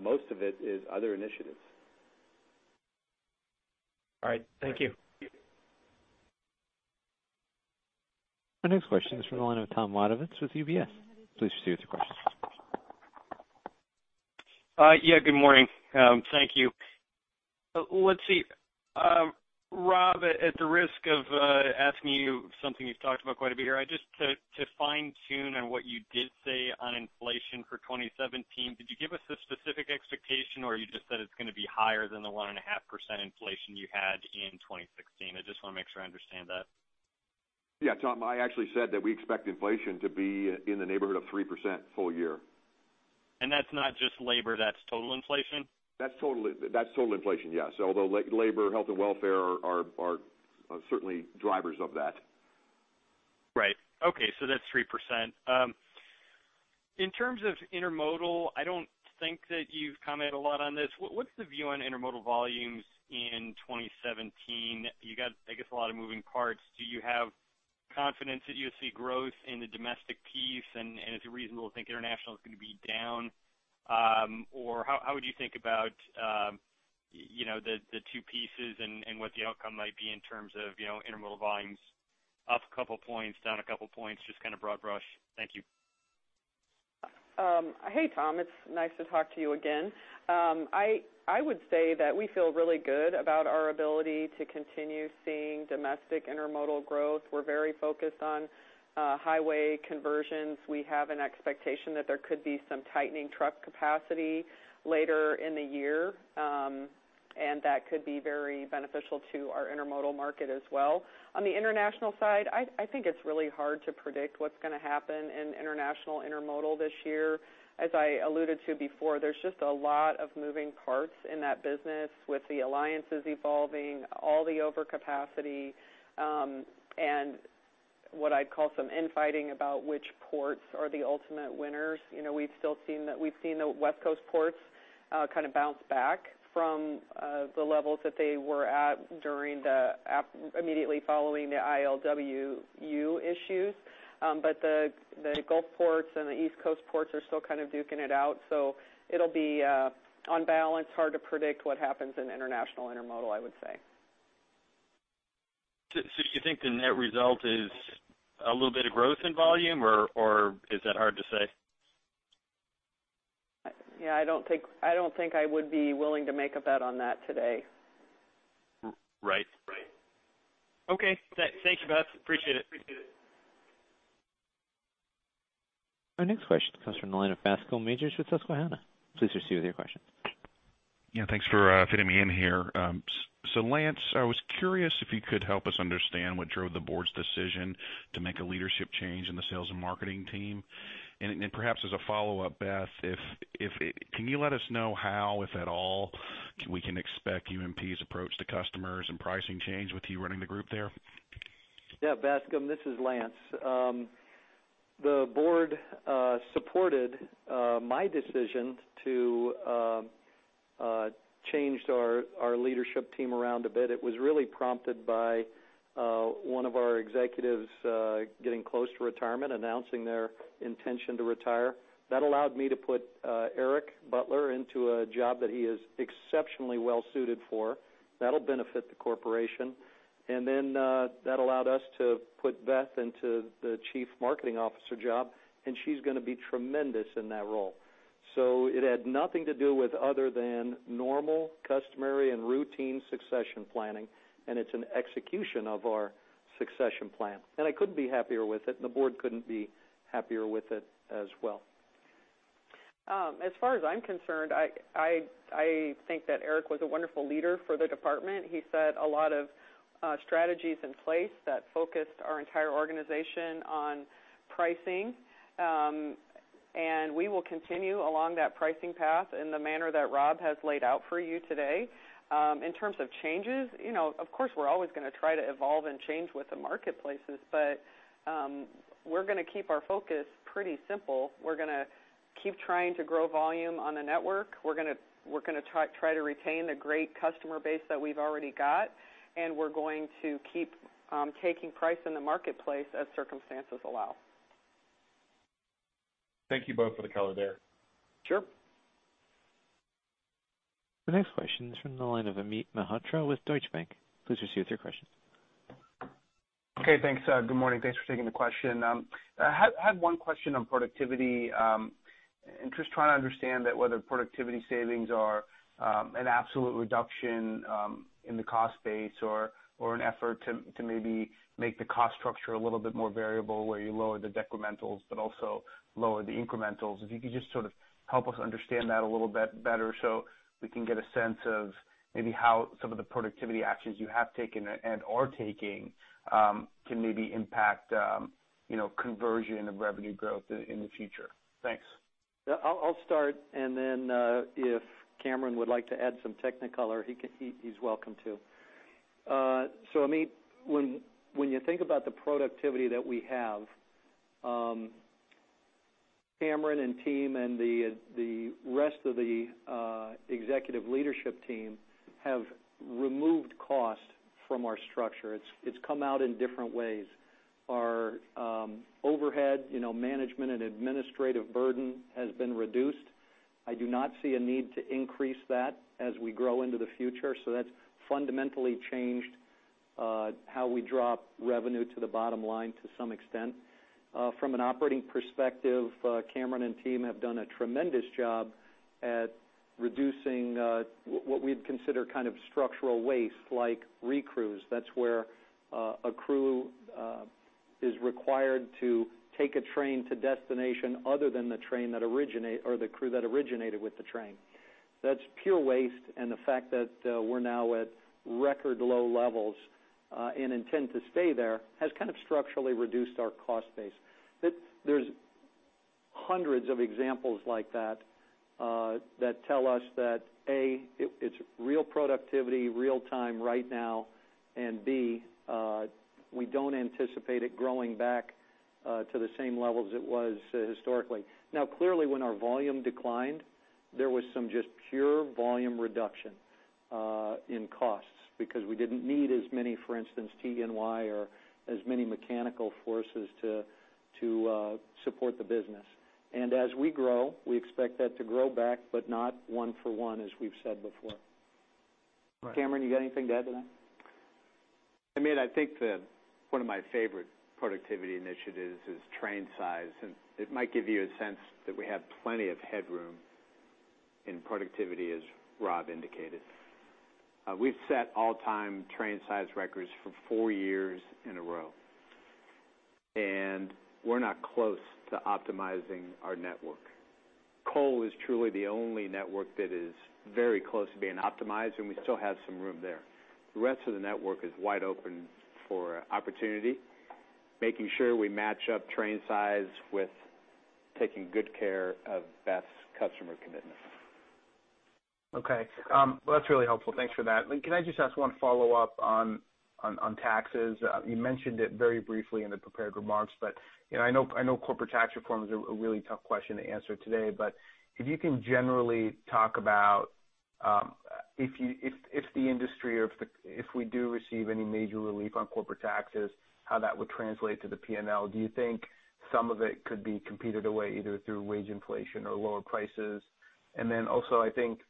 most of it is other initiatives. All right. Thank you. Our next question is from the line of Tom Wadewitz with UBS. Please proceed with your questions. Yeah, good morning. Thank you. Let's see. Rob, at the risk of asking you something you've talked about quite a bit here, just to fine tune on what you did say on inflation for 2017, did you give us a specific expectation or you just said it's going to be higher than the 1.5% inflation you had in 2016? I just want to make sure I understand that. Yeah, Tom, I actually said that we expect inflation to be in the neighborhood of 3% full year. That's not just labor, that's total inflation? That's total inflation, yes. Although labor, health, and welfare are certainly drivers of that. Right. Okay, that's 3%. In terms of intermodal, I don't think that you've commented a lot on this. What's the view on intermodal volumes in 2017? You got, I guess, a lot of moving parts. Do you have confidence that you'll see growth in the domestic piece and it's reasonable to think international is going to be down? Or how would you think about the two pieces and what the outcome might be in terms of intermodal volumes up a couple points, down a couple points, just kind of broad brush? Thank you. Hey, Tom, it's nice to talk to you again. I would say that we feel really good about our ability to continue seeing domestic intermodal growth. We're very focused on highway conversions. We have an expectation that there could be some tightening truck capacity later in the year, and that could be very beneficial to our intermodal market as well. On the international side, I think it's really hard to predict what's going to happen in international intermodal this year. As I alluded to before, there's just a lot of moving parts in that business with the alliances evolving, all the overcapacity. What I'd call some infighting about which ports are the ultimate winners. We've seen the West Coast ports kind of bounce back from the levels that they were at immediately following the ILWU issues. The Gulf ports and the East Coast ports are still kind of duking it out. It'll be, on balance, hard to predict what happens in international intermodal, I would say. Do you think the net result is a little bit of growth in volume, or is that hard to say? Yeah, I don't think I would be willing to make a bet on that today. Right. Okay. Thank you, Beth. Appreciate it. Our next question comes from the line of Bascome Majors with Susquehanna. Please proceed with your question. Yeah. Thanks for fitting me in here. Lance, I was curious if you could help us understand what drove the board's decision to make a leadership change in the sales and marketing team. Perhaps as a follow-up, Beth, can you let us know how, if at all, we can expect UNP's approach to customers and pricing change with you running the group there? Yeah, Bascome, this is Lance. The board supported my decision to change our leadership team around a bit. It was really prompted by one of our executives getting close to retirement, announcing their intention to retire. That allowed me to put Eric Butler into a job that he is exceptionally well-suited for. That'll benefit the corporation. That allowed us to put Beth into the Chief Marketing Officer job, and she's going to be tremendous in that role. It had nothing to do with other than normal, customary, and routine succession planning, and it's an execution of our succession plan. I couldn't be happier with it, and the board couldn't be happier with it as well. As far as I'm concerned, I think that Eric was a wonderful leader for the department. He set a lot of strategies in place that focused our entire organization on pricing. We will continue along that pricing path in the manner that Rob has laid out for you today. In terms of changes, of course, we're always going to try to evolve and change with the marketplaces, but we're going to keep our focus pretty simple. We're going to keep trying to grow volume on the network. We're going to try to retain the great customer base that we've already got, and we're going to keep taking price in the marketplace as circumstances allow. Thank you both for the color there. Sure. The next question is from the line of Amit Mehrotra with Deutsche Bank. Please proceed with your question. Okay, thanks. Good morning. Thanks for taking the question. I had one question on productivity. Just trying to understand that whether productivity savings are an absolute reduction in the cost base or an effort to maybe make the cost structure a little bit more variable, where you lower the decrementals, but also lower the incrementals. If you could just sort of help us understand that a little bit better so we can get a sense of maybe how some of the productivity actions you have taken and are taking can maybe impact conversion of revenue growth in the future. Thanks. Yeah. I'll start, then if Cameron would like to add some technicolor, he's welcome to. Amit, when you think about the productivity that we have, Cameron and team and the rest of the executive leadership team have removed cost from our structure. It's come out in different ways. Our overhead, management, and administrative burden has been reduced. I do not see a need to increase that as we grow into the future, so that's fundamentally changed how we drop revenue to the bottom line to some extent. From an operating perspective, Cameron and team have done a tremendous job at reducing what we'd consider kind of structural waste like recrews. That's where a crew is required to take a train to destination other than the crew that originated with the train. That's pure waste, the fact that we're now at record low levels, and intend to stay there, has kind of structurally reduced our cost base. There's hundreds of examples like that tell us that, A, it's real productivity, real time, right now, and B, we don't anticipate it growing back to the same level as it was historically. Clearly, when our volume declined, there was some just pure volume reduction in costs because we didn't need as many, for instance, T&E or as many mechanical forces to support the business. As we grow, we expect that to grow back, but not one for one, as we've said before. Right. Cameron, you got anything to add to that? Amit, I think that one of my favorite productivity initiatives is train size. It might give you a sense that we have plenty of headroom in productivity, as Rob indicated. We've set all-time train size records for four years in a row. We're not close to optimizing our network. Coal is truly the only network that is very close to being optimized. We still have some room there. The rest of the network is wide open for opportunity, making sure we match up train size with taking good care of Beth's customer commitments. Okay. Well, that's really helpful. Thanks for that. Can I just ask one follow-up on taxes? You mentioned it very briefly in the prepared remarks. I know corporate tax reform is a really tough question to answer today. If you can generally talk about if the industry or if we do receive any major relief on corporate taxes, how that would translate to the P&L. Do you think some of it could be competed away, either through wage inflation or lower prices?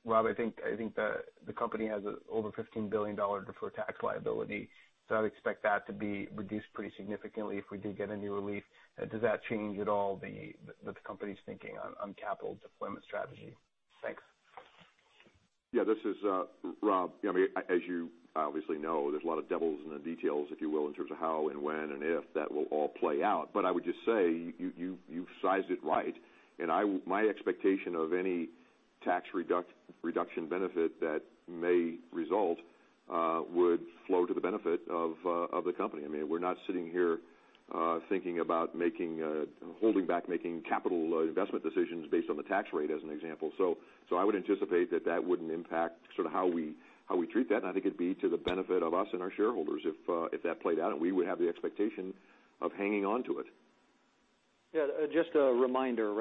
Rob, I think the company has over $15 billion deferred tax liability, so I would expect that to be reduced pretty significantly if we did get any relief. Does that change at all the company's thinking on capital deployment strategy? Thanks. Yeah, this is Rob. As you obviously know, there's a lot of devils in the details, if you will, in terms of how and when and if that will all play out. I would just say, you've sized it right. My expectation of any tax reduction benefit that may result would flow to the benefit of the company. We're not sitting here thinking about holding back, making capital investment decisions based on the tax rate, as an example. I would anticipate that that wouldn't impact how we treat that. I think it'd be to the benefit of us and our shareholders if that played out. We would have the expectation of hanging on to it. Yeah. Just a reminder.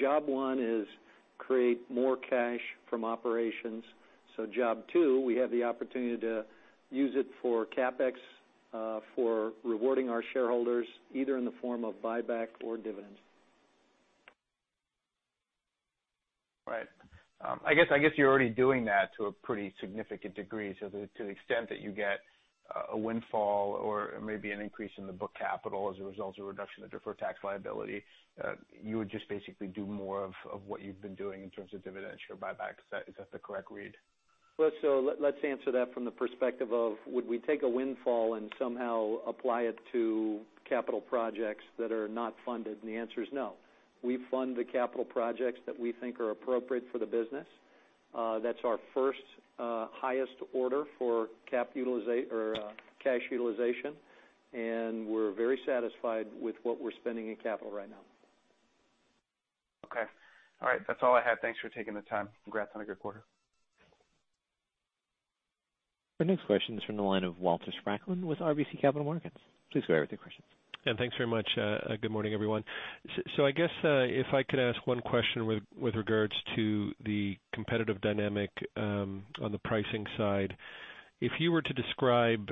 Job one is create more cash from operations. Job two, we have the opportunity to use it for CapEx, for rewarding our shareholders, either in the form of buyback or dividends. Right. I guess, you're already doing that to a pretty significant degree. To the extent that you get a windfall or maybe an increase in the book capital as a result of reduction in deferred tax liability, you would just basically do more of what you've been doing in terms of dividends or buybacks. Is that the correct read? Let's answer that from the perspective of, would we take a windfall and somehow apply it to capital projects that are not funded, and the answer is no. We fund the capital projects that we think are appropriate for the business. That's our first highest order for cash utilization, and we're very satisfied with what we're spending in capital right now. Okay. All right. That's all I have. Thanks for taking the time. Congrats on a great quarter. Our next question is from the line of Walter Spracklin with RBC Capital Markets. Please go ahead with your question. Thanks very much. Good morning, everyone. I guess, if I could ask one question with regards to the competitive dynamic on the pricing side. If you were to describe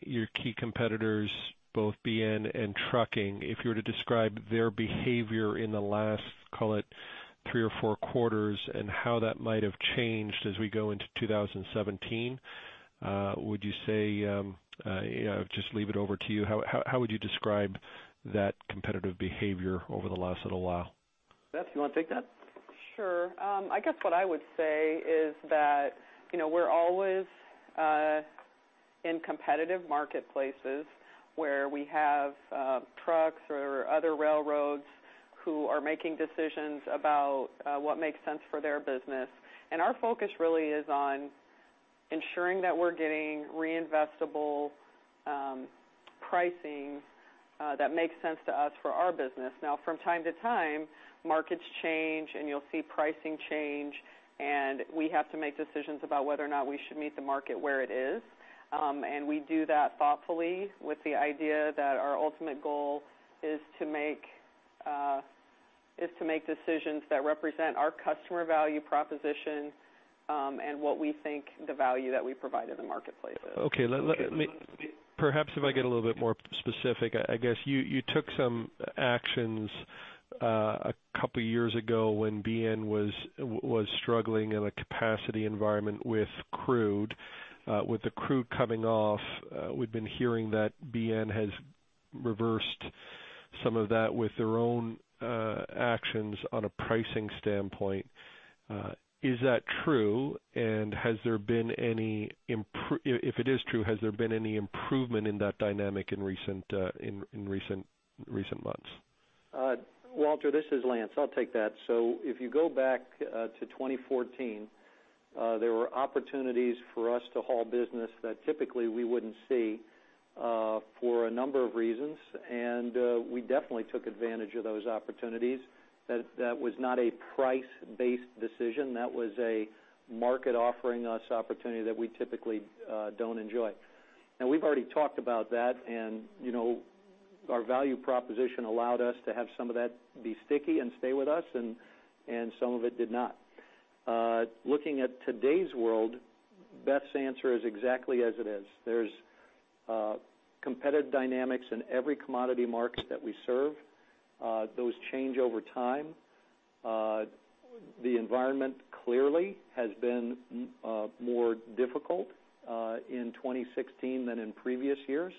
your key competitors, both BNSF and trucking, if you were to describe their behavior in the last, call it three or four quarters, and how that might have changed as we go into 2017, would you say, just leave it over to you, how would you describe that competitive behavior over the last little while? Beth, you want to take that? Sure. I guess what I would say is that, we're always in competitive marketplaces where we have trucks or other railroads who are making decisions about what makes sense for their business. Our focus really is on ensuring that we're getting reinvestable pricing that makes sense to us for our business. Now, from time to time, markets change and you'll see pricing change, and we have to make decisions about whether or not we should meet the market where it is. We do that thoughtfully with the idea that our ultimate goal is to make decisions that represent our customer value proposition, and what we think the value that we provide in the marketplace is. Okay. Perhaps if I get a little bit more specific, I guess you took some actions a couple of years ago when BNSF was struggling in a capacity environment with crude. With the crude coming off, we've been hearing that BNSF has reversed some of that with their own actions on a pricing standpoint. Is that true, and if it is true, has there been any improvement in that dynamic in recent months? Walter, this is Lance. I'll take that. If you go back to 2014, there were opportunities for us to haul business that typically we wouldn't see for a number of reasons, and we definitely took advantage of those opportunities. That was not a price-based decision. That was a market offering us opportunity that we typically don't enjoy. We've already talked about that, and our value proposition allowed us to have some of that be sticky and stay with us, and some of it did not. Looking at today's world, Beth's answer is exactly as it is. There's competitive dynamics in every commodity market that we serve. Those change over time. The environment clearly has been more difficult in 2016 than in previous years,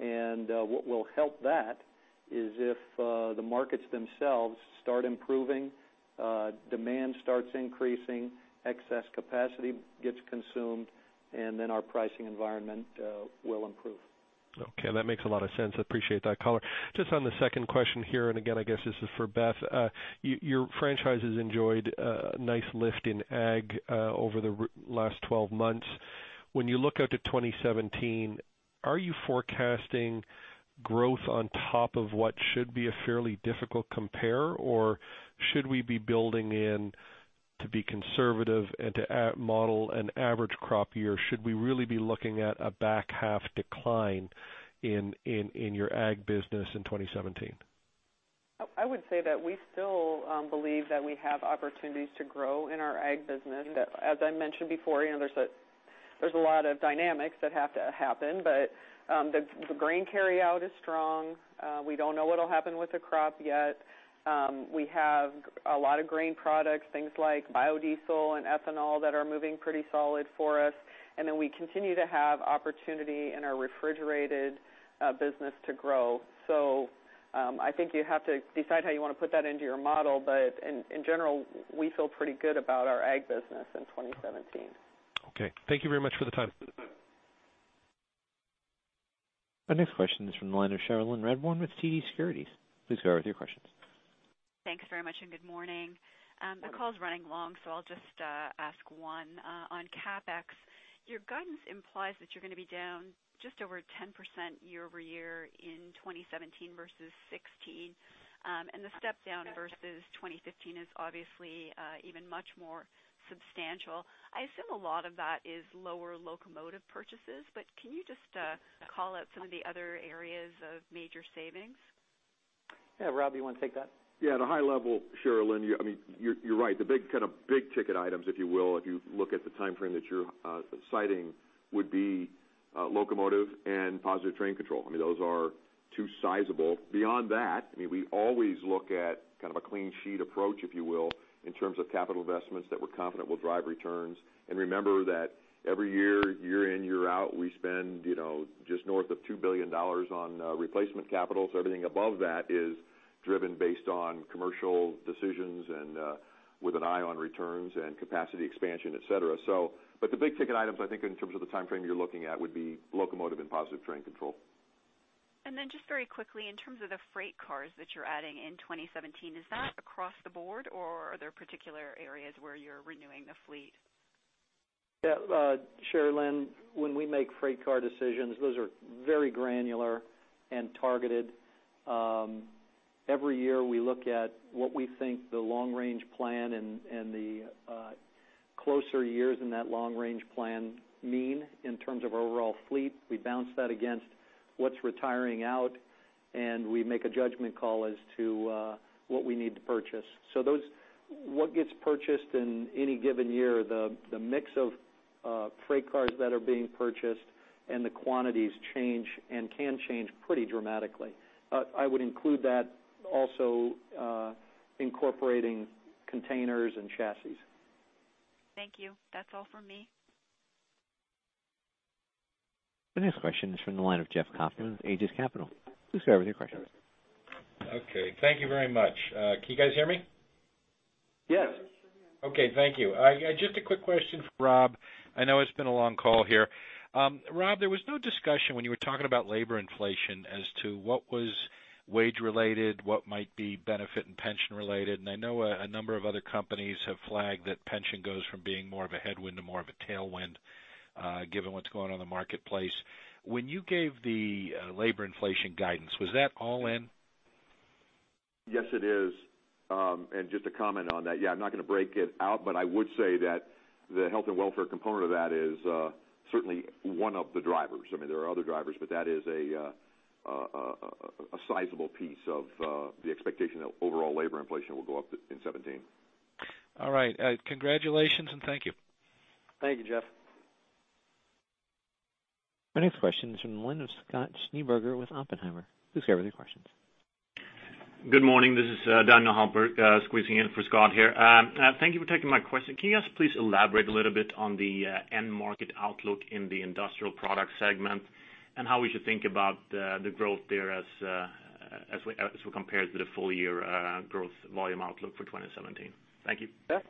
and what will help that is if the markets themselves start improving, demand starts increasing, excess capacity gets consumed, and then our pricing environment will improve. Okay, that makes a lot of sense. I appreciate that color. Just on the second question here, and again, I guess this is for Beth. Your franchise has enjoyed a nice lift in ag over the last 12 months. When you look out to 2017, are you forecasting growth on top of what should be a fairly difficult compare? Should we be building in to be conservative and to model an average crop year? Should we really be looking at a back half decline in your ag business in 2017? I would say that we still believe that we have opportunities to grow in our ag business. As I mentioned before, there's a lot of dynamics that have to happen, but the grain carryout is strong. We don't know what'll happen with the crop yet. We have a lot of grain products, things like biodiesel and ethanol, that are moving pretty solid for us. We continue to have opportunity in our refrigerated business to grow. I think you have to decide how you want to put that into your model, but in general, we feel pretty good about our ag business in 2017. Okay. Thank you very much for the time. Our next question is from the line of Cherilyn Radbourne with TD Securities. Please go ahead with your questions. Thanks very much, good morning. The call's running long, I'll just ask one. On CapEx, your guidance implies that you're going to be down just over 10% year-over-year in 2017 versus 2016. The step down versus 2015 is obviously even much more substantial. I assume a lot of that is lower locomotive purchases, can you just call out some of the other areas of major savings? Yeah. Rob, you want to take that? Yeah. At a high level, Cherilyn, you're right. The big ticket items, if you will, if you look at the timeframe that you're citing, would be locomotive and Positive Train Control. Those are two sizable. Beyond that, we always look at kind of a clean sheet approach, if you will, in terms of capital investments that we're confident will drive returns. Remember that every year in, year out, we spend just north of $2 billion on replacement capital. Everything above that is driven based on commercial decisions and with an eye on returns and capacity expansion, et cetera. The big ticket items, I think in terms of the timeframe you're looking at, would be locomotive and Positive Train Control. Then just very quickly, in terms of the freight cars that you're adding in 2017, is that across the board or are there particular areas where you're renewing the fleet? Yeah. Cherilyn, when we make freight car decisions, those are very granular and targeted. Every year we look at what we think the long range plan and the closer years in that long range plan mean in terms of overall fleet. We bounce that against what's retiring out, and we make a judgment call as to what we need to purchase. What gets purchased in any given year, the mix of freight cars that are being purchased and the quantities change and can change pretty dramatically. I would include that also incorporating containers and chassis. Thank you. That's all for me. The next question is from the line of Jeff Kauffman with Aegis Capital. Please go ahead with your question. Okay. Thank you very much. Can you guys hear me? Yes. Okay. Thank you. Just a quick question for Rob. I know it's been a long call here. Rob, there was no discussion when you were talking about labor inflation as to what was wage related, what might be benefit and pension related, and I know a number of other companies have flagged that pension goes from being more of a headwind to more of a tailwind given what's going on in the marketplace. When you gave the labor inflation guidance, was that all in? Yes, it is. Just to comment on that, yeah, I'm not going to break it out, but I would say that the health and welfare component of that is certainly one of the drivers. There are other drivers, but that is a sizable piece of the expectation that overall labor inflation will go up in 2017. All right. Congratulations and thank you. Thank you, Jeff. Our next question is from the line of Scott Schneeberger with Oppenheimer. Please go ahead with your questions. Good morning. This is Daniel Halper squeezing in for Scott here. Thank you for taking my question. Can you guys please elaborate a little bit on the end market outlook in the industrial product segment and how we should think about the growth there as compared to the full year growth volume outlook for 2017? Thank you. Beth?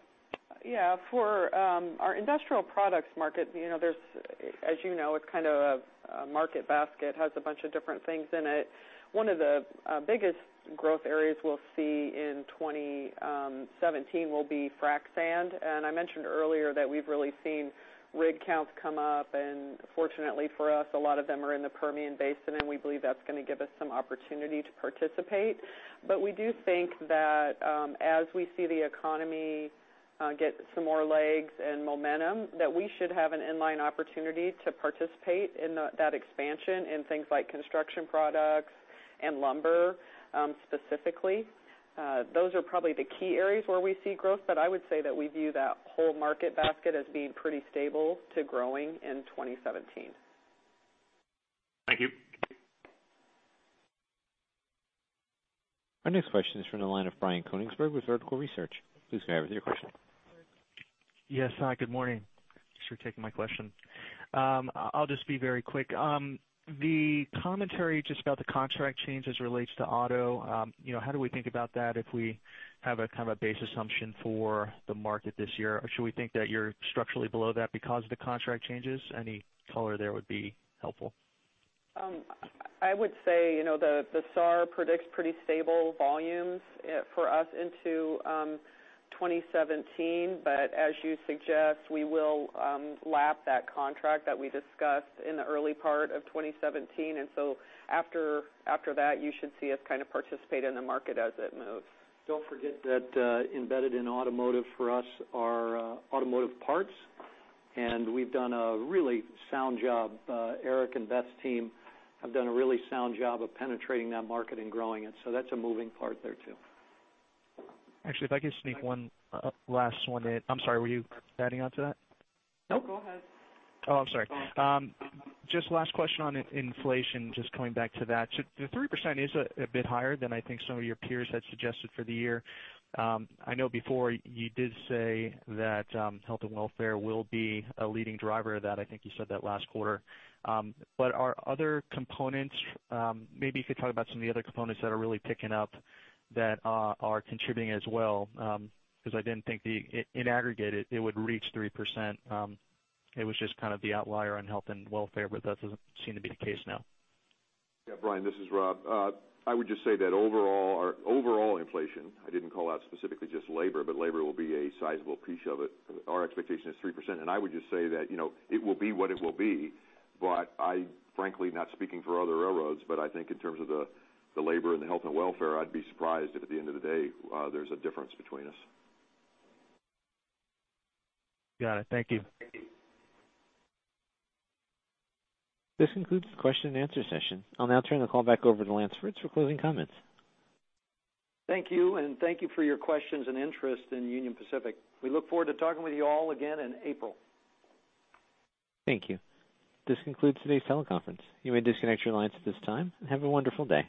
Yeah. For our industrial products market, as you know, it's kind of a market basket, has a bunch of different things in it. One of the biggest growth areas we'll see in 2017 will be frac sand. I mentioned earlier that we've really seen rig counts come up, and fortunately for us, a lot of them are in the Permian Basin, and we believe that's going to give us some opportunity to participate. We do think that as we see the economy get some more legs and momentum, that we should have an in-line opportunity to participate in that expansion in things like construction products and lumber, specifically. Those are probably the key areas where we see growth, but I would say that we view that whole market basket as being pretty stable to growing in 2017. Thank you. Our next question is from the line of Brian Konigsberg with Vertical Research. Please go ahead with your question. Yes. Good morning. Thanks for taking my question. I'll just be very quick. The commentary just about the contract change as it relates to auto, how do we think about that if we have a base assumption for the market this year? Or should we think that you're structurally below that because of the contract changes? Any color there would be helpful. I would say, the SAAR predicts pretty stable volumes for us into 2017. As you suggest, we will lap that contract that we discussed in the early part of 2017. After that, you should see us participate in the market as it moves. Don't forget that embedded in automotive for us are automotive parts, and we've done a really sound job. Eric and Beth's team have done a really sound job of penetrating that market and growing it. That's a moving part there too. Actually, if I could sneak one last one in. I'm sorry, were you adding onto that? No, go ahead. Oh, I'm sorry. Just last question on inflation, just coming back to that. The 3% is a bit higher than I think some of your peers had suggested for the year. I know before you did say that health and welfare will be a leading driver of that. I think you said that last quarter. Are other components, maybe you could talk about some of the other components that are really picking up that are contributing as well. I didn't think in aggregate it would reach 3%. It was just the outlier on health and welfare, but that doesn't seem to be the case now. Yeah, Brian, this is Rob. I would just say that overall inflation, I didn't call out specifically just labor, but labor will be a sizable piece of it. Our expectation is 3%. I would just say that, it will be what it will be, but I, frankly, not speaking for other railroads, but I think in terms of the labor and the health and welfare, I'd be surprised if at the end of the day, there's a difference between us. Got it. Thank you. This concludes the question and answer session. I'll now turn the call back over to Lance Fritz for closing comments. Thank you, and thank you for your questions and interest in Union Pacific. We look forward to talking with you all again in April. Thank you. This concludes today's teleconference. You may disconnect your lines at this time, and have a wonderful day.